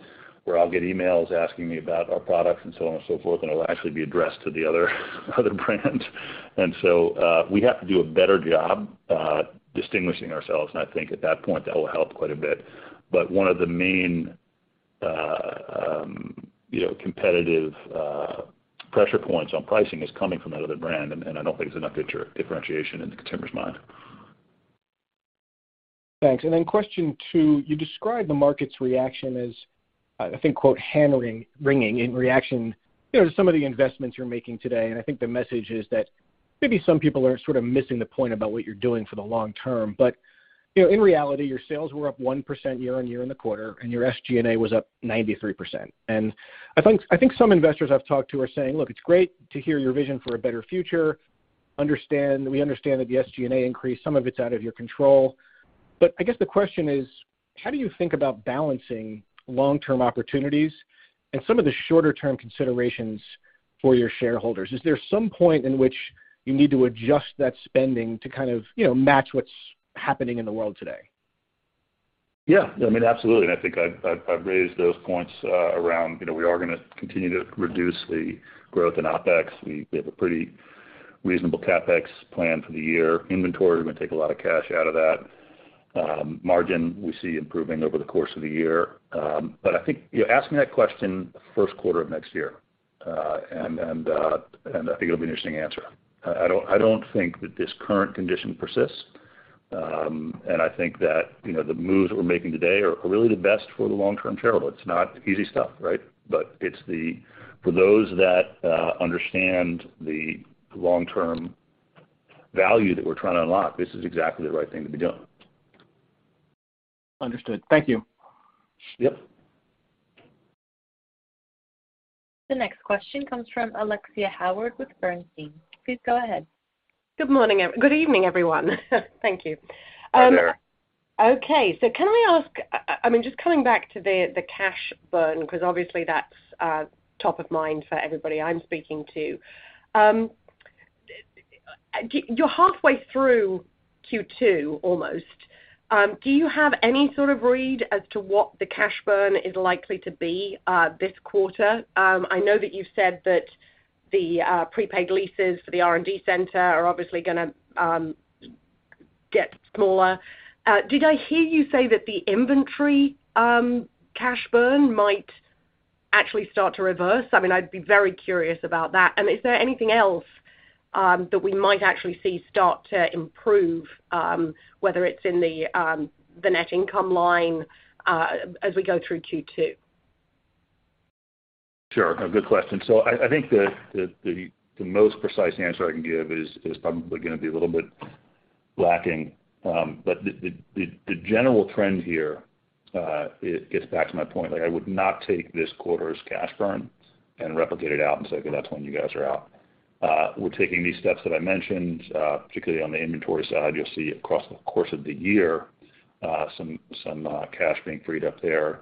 where I'll get emails asking me about our products and so on and so forth, and it'll actually be addressed to the other brand. We have to do a better job distinguishing ourselves and I think at that point that will help quite a bit. One of the main you know, competitive pressure points on pricing is coming from that other brand and I don't think there's enough differentiation in the consumer's mind. Thanks. Then question two, you described the market's reaction as, I think, quote, "hammering, ringing" in reaction, you know, to some of the investments you're making today. I think the message is that maybe some people are sort of missing the point about what you're doing for the long term. You know, in reality, your sales were up 1% year-over-year in the quarter, and your SG&A was up 93%. I think some investors I've talked to are saying, "Look, it's great to hear your vision for a better future. We understand that the SG&A increase, some of it's out of your control. I guess the question is, how do you think about balancing long-term opportunities and some of the shorter-term considerations for your shareholders? Is there some point in which you need to adjust that spending to kind of, you know, match what's happening in the world today? Yeah. I mean, absolutely. I think I've raised those points around, you know, we are gonna continue to reduce the growth in OpEx. We have a pretty reasonable CapEx plan for the year. Inventory, we're gonna take a lot of cash out of that. Margin, we see improving over the course of the year. I think, you know, ask me that question Q1 of next year, and I think it'll be an interesting answer. I don't think that this current condition persists. I think that, you know, the moves we're making today are really the best for the long-term shareholder. It's not easy stuff, right. It's for those that understand the long-term value that we're trying to unlock, this is exactly the right thing to be doing. Understood. Thank you. Yep. The next question comes from Alexia Howard with Bernstein. Please go ahead. Good evening, everyone. Thank you. Good evening. Okay. Can I ask, I mean, just coming back to the cash burn, 'cause obviously that's top of mind for everybody I'm speaking to. You're halfway through Q2 almost. Do you have any sort of read as to what the cash burn is likely to be this quarter? I know that you've said that the prepaid leases for the R&D center are obviously gonna get smaller. Did I hear you say that the inventory cash burn might actually start to reverse? I mean, I'd be very curious about that. Is there anything else that we might actually see start to improve, whether it's in the net income line, as we go through Q2? Sure. No, good question. I think the most precise answer I can give is probably gonna be a little bit lacking. The general trend here, it gets back to my point, like I would not take this quarter's cash burn and replicate it out and say, "Okay, that's when you guys are out." We're taking these steps that I mentioned, particularly on the inventory side, you'll see across the course of the year, some cash being freed up there.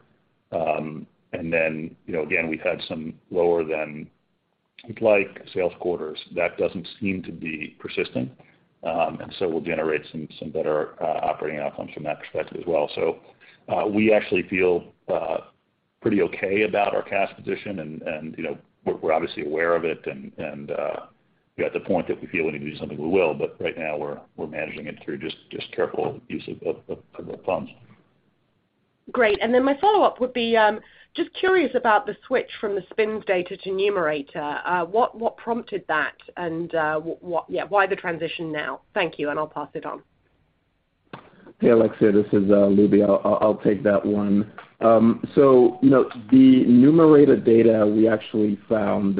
You know, again, we've had some lower than we'd like sales quarters. That doesn't seem to be persistent. We'll generate some better operating outcomes from that perspective as well. We actually feel pretty okay about our cash position and, you know, we're obviously aware of it and, you know, at the point that we feel we need to do something, we will, but right now we're managing it through just careful use of our funds. Great. My follow-up would be just curious about the switch from the SPINS data to Numerator. What prompted that and why the transition now? Thank you, and I'll pass it on. Hey, Alexia, this is Lubi. I'll take that one. So, you know, the Numerator data we actually found,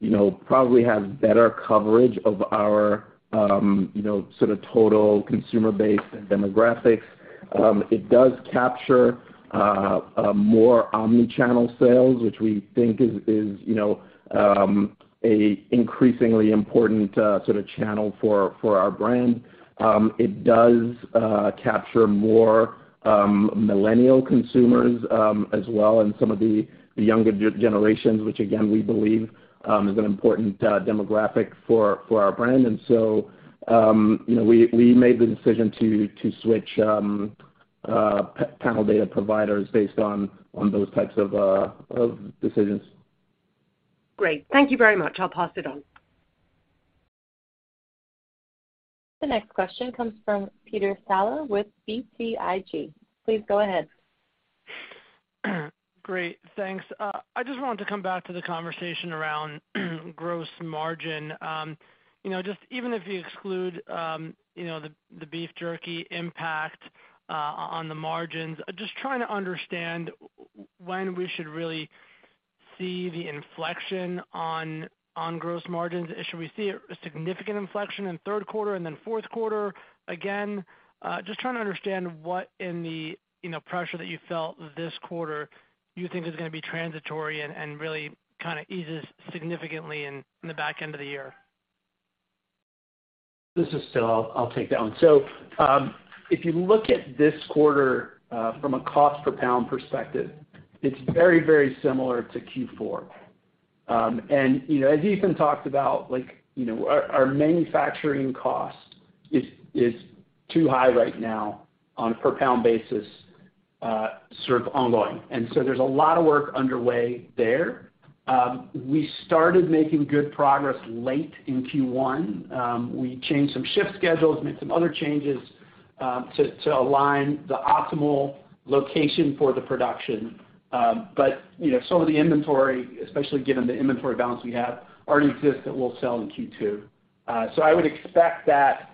you know, probably has better coverage of our, you know, sort of total consumer base and demographics. It does capture more omni-channel sales, which we think is, you know, increasingly important, sort of channel for our brand. It does capture more millennial consumers, as well, and some of the younger generations, which again, we believe is an important demographic for our brand. We made the decision to switch panel data providers based on those types of decisions. Great. Thank you very much. I'll pass it on. The next question comes from Peter Saleh with BTIG. Please go ahead. Great, thanks. I just wanted to come back to the conversation around gross margin. Just even if you exclude the beef jerky impact on the margins, just trying to understand when we should really see the inflection on gross margins. Should we see a significant inflection in Q3 and then Q4? Again, just trying to understand what of the pressure that you felt this quarter you think is gonna be transitory and really kinda eases significantly in the back end of the year. This is Phil. I'll take that one. If you look at this quarter, from a cost per pound perspective, it's very similar to Q4. You know, as Ethan talked about, like, you know, our manufacturing cost is too high right now on a per pound basis, sort of ongoing. There's a lot of work underway there. We started making good progress late in Q1. We changed some shift schedules, made some other changes, to align the optimal location for the production. You know, some of the inventory, especially given the inventory balance we have, already exist that we'll sell in Q2. I would expect that,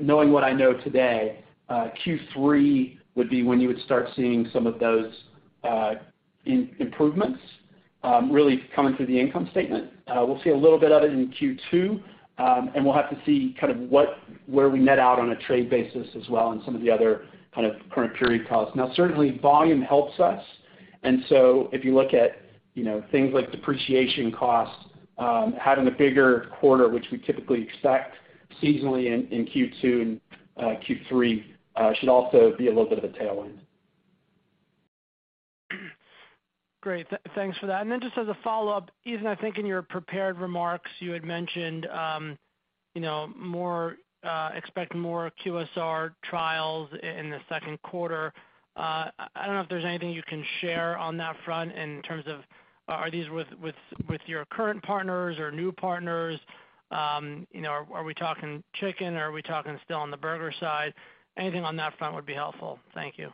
knowing what I know today, Q3 would be when you would start seeing some of those improvements, really coming through the income statement. We'll see a little bit of it in Q2, and we'll have to see kind of where we net out on a trade basis as well and some of the other kind of current period costs. Now, certainly volume helps us. If you look at, you know, things like depreciation costs, having a bigger quarter, which we typically expect seasonally in Q2 and Q3, should also be a little bit of a tailwind. Great. Thanks for that. Just as a follow-up, Ethan, I think in your prepared remarks, you had mentioned, you know, expect more QSR trials in the Q2. I don't know if there's anything you can share on that front in terms of, are these with your current partners or new partners? You know, are we talking chicken or are we talking still on the burger side? Anything on that front would be helpful. Thank you.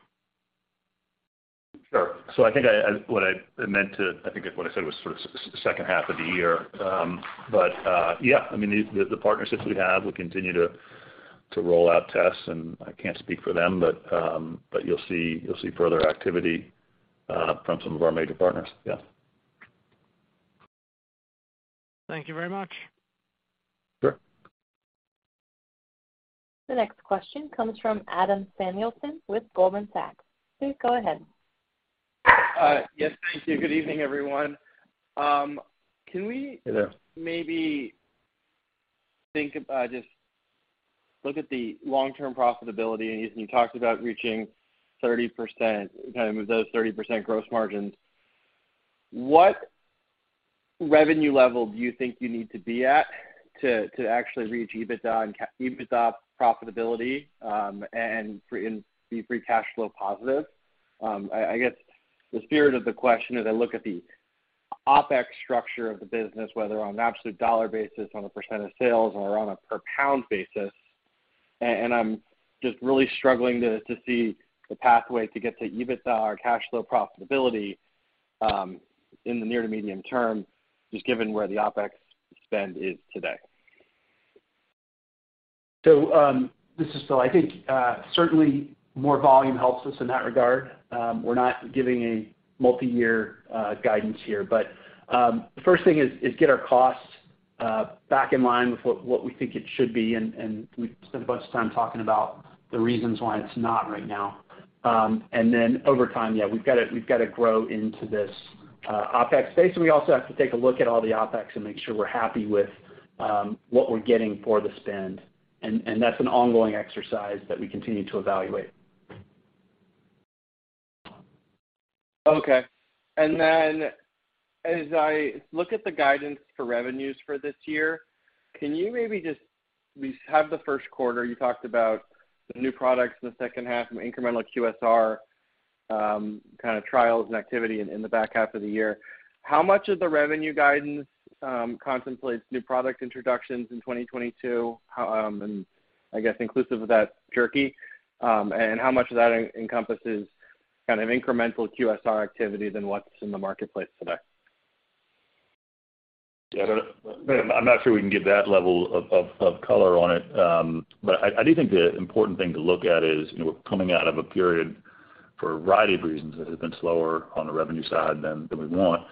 Sure. I think what I meant to, I think what I said was sort of second half of the year. Yeah, I mean, the partnerships we have, we continue to roll out tests, and I can't speak for them, but you'll see further activity from some of our major partners. Yeah. Thank you very much. Sure. The next question comes from Adam Samuelson with Goldman Sachs. Please go ahead. Yes, thank you. Good evening, everyone. Hello. Maybe think about, just look at the long-term profitability. Ethan, you talked about reaching 30%, kind of those 30% gross margins. What revenue level do you think you need to be at to actually reach EBITDA and EBITDA profitability, and to be free cash flow positive? I guess the spirit of the question, as I look at the OpEx structure of the business, whether on an absolute dollar basis, on a % of sales or on a per pound basis, and I'm just really struggling to see the pathway to get to EBITDA or cash flow profitability, in the near to medium term, just given where the OpEx spend is today. This is Phil. I think certainly more volume helps us in that regard. We're not giving a multi-year guidance here, but the first thing is to get our costs back in line with what we think it should be. We've spent a bunch of time talking about the reasons why it's not right now. Over time, yeah, we've got to grow into this OpEx space, and we also have to take a look at all the OpEx and make sure we're happy with what we're getting for the spend. That's an ongoing exercise that we continue to evaluate. Okay. As I look at the guidance for revenues for this year, can you maybe, we have the Q1, you talked about the new products in the second half, incremental QSR kind of trials and activity in the back half of the year. How much of the revenue guidance contemplates new product introductions in 2022? I guess inclusive of that jerky, and how much of that encompasses kind of incremental QSR activity than what's in the marketplace today? Yeah, I don't I'm not sure we can give that level of color on it. I do think the important thing to look at is, you know, we're coming out of a period for a variety of reasons that have been slower on the revenue side than we want.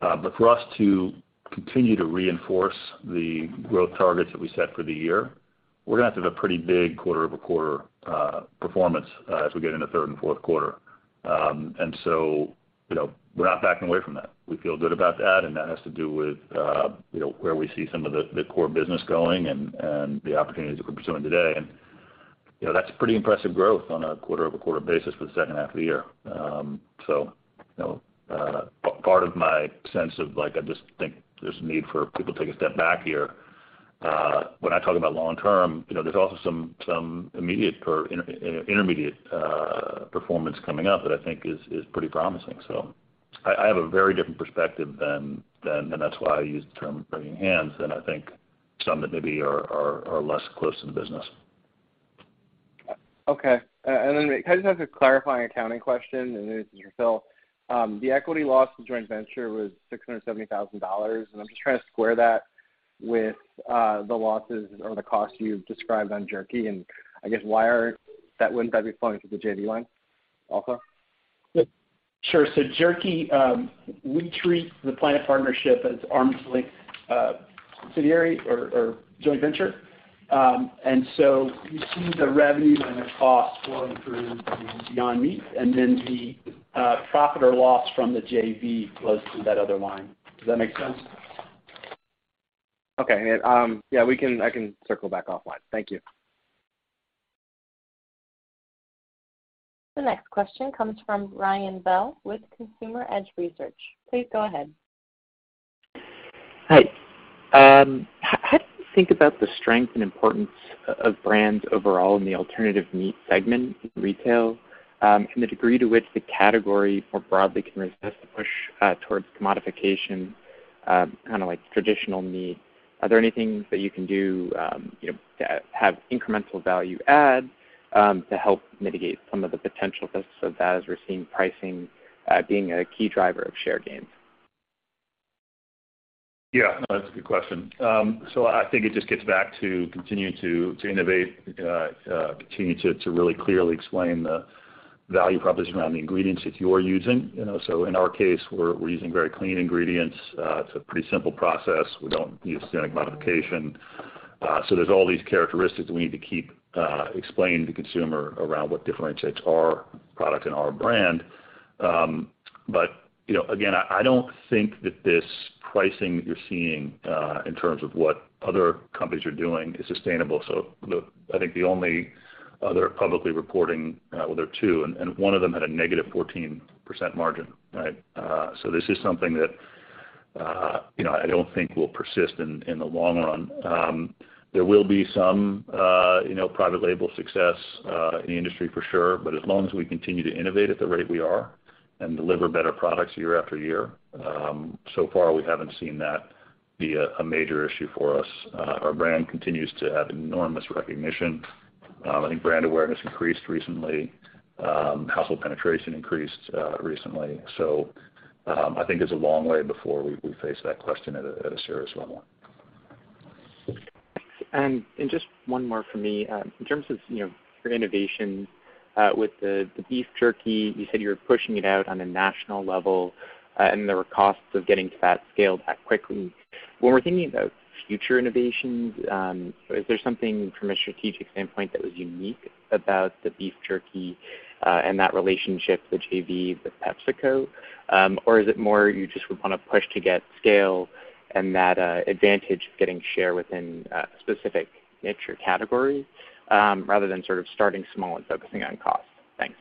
For us to continue to reinforce the growth targets that we set for the year, we're gonna have to have a pretty big quarter-over-quarter performance as we get into third and Q4. You know, we're not backing away from that. We feel good about that, and that has to do with, you know, where we see some of the core business going and the opportunities that we're pursuing today. You know, that's pretty impressive growth on a quarter-over-quarter basis for the second half of the year. You know, part of my sense of like, I just think there's a need for people to take a step back here, when I talk about long-term, you know, there's also some immediate intermediate performance coming up that I think is pretty promising. I have a very different perspective than and that's why I use the term wringing hands than I think some that maybe are less close to the business. Okay. Kind of just a clarifying accounting question, and this is for Phil. The equity loss to joint venture was $670,000, and I'm just trying to square that with the losses or the costs you described on jerky and I guess that wouldn't be flowing through the JV line also? Sure. Jerky, we treat the PLANeT Partnership as arm's-length subsidiary or joint venture. You see the revenue and the cost flowing through Beyond Meat and then the profit or loss from the JV flows through that other line. Does that make sense? Okay. Yeah, I can circle back offline. Thank you. The next question comes from Ryan Bell with Consumer Edge Research. Please go ahead. Hi. How do you think about the strength and importance of brands overall in the alternative meat segment in retail, and the degree to which the category more broadly can resist the push towards commodification, kind of like traditional meat? Are there any things that you can do, you know, have incremental value add to help mitigate some of the potential risks of that as we're seeing pricing being a key driver of share gains? Yeah, no, that's a good question. I think it just gets back to continuing to innovate, continue to really clearly explain the value proposition around the ingredients that you're using. You know, so in our case, we're using very clean ingredients. It's a pretty simple process. We don't use genetic modification. So there's all these characteristics that we need to keep explaining to consumer around what differentiates our product and our brand. You know, again, I don't think that this pricing that you're seeing, in terms of what other companies are doing is sustainable. I think the only other publicly reporting, well, there are two, and one of them had a negative 14% margin, right? This is something that, you know, I don't think will persist in the long run. There will be some, you know, private label success in the industry for sure. As long as we continue to innovate at the rate we are and deliver better products year after year, so far, we haven't seen that be a major issue for us. Our brand continues to have enormous recognition. I think brand awareness increased recently. Household penetration increased recently. I think there's a long way before we face that question at a serious level. Just one more for me. In terms of, you know, for innovation, with the beef jerky, you said you were pushing it out on a national level, and there were costs of getting to that scale that quickly. When we're thinking about future innovations, is there something from a strategic standpoint that was unique about the beef jerky, and that relationship, the JV with PepsiCo? Or is it more you just would wanna push to get scale and that advantage of getting share within specific nature categories, rather than sort of starting small and focusing on cost? Thanks.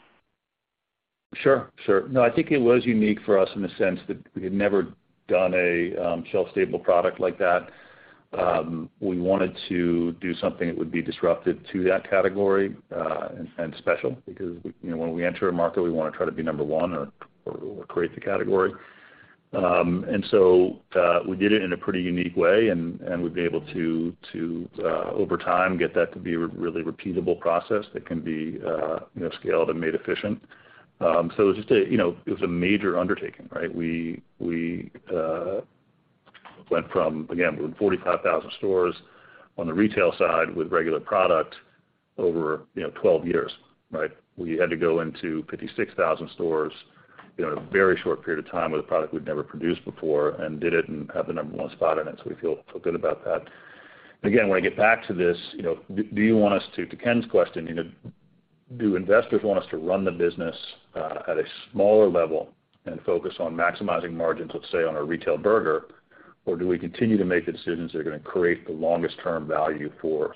Sure. No, I think it was unique for us in the sense that we had never done a shelf-stable product like that. We wanted to do something that would be disruptive to that category, and special because you know, when we enter a market, we wanna try to be number one or create the category. We did it in a pretty unique way and we've been able to, over time, get that to be a really repeatable process that can be, you know, scaled and made efficient. It was just, you know, a major undertaking, right? We went from, again, we're in 45,000 stores on the retail side with regular product over, you know, 12 years, right? We had to go into 56,000 stores, you know, in a very short period of time with a product we'd never produced before and did it and have the number one spot in it, so we feel good about that. Again, when I get back to this, you know, to Ken's question, you know, do investors want us to run the business at a smaller level and focus on maximizing margins, let's say, on a retail burger? Or do we continue to make the decisions that are gonna create the longest term value for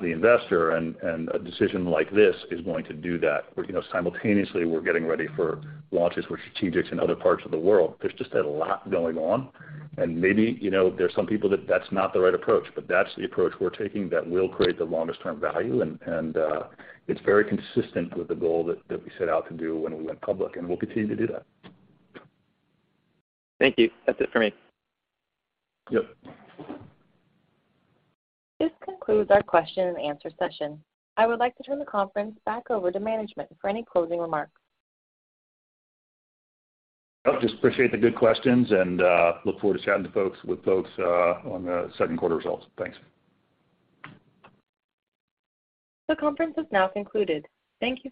the investor, and a decision like this is going to do that? Where, you know, simultaneously, we're getting ready for launches, we're strategic in other parts of the world. There's just a lot going on, and maybe, you know, there's some people that that's not the right approach, but that's the approach we're taking that will create the longest term value, and it's very consistent with the goal that we set out to do when we went public, and we'll continue to do that. Thank you. That's it for me. Yep. This concludes our Q&A session. I would like to turn the conference back over to management for any closing remarks. I just appreciate the good questions and look forward to chatting with folks on the Q2 results. Thanks. The conference has now concluded. Thank you.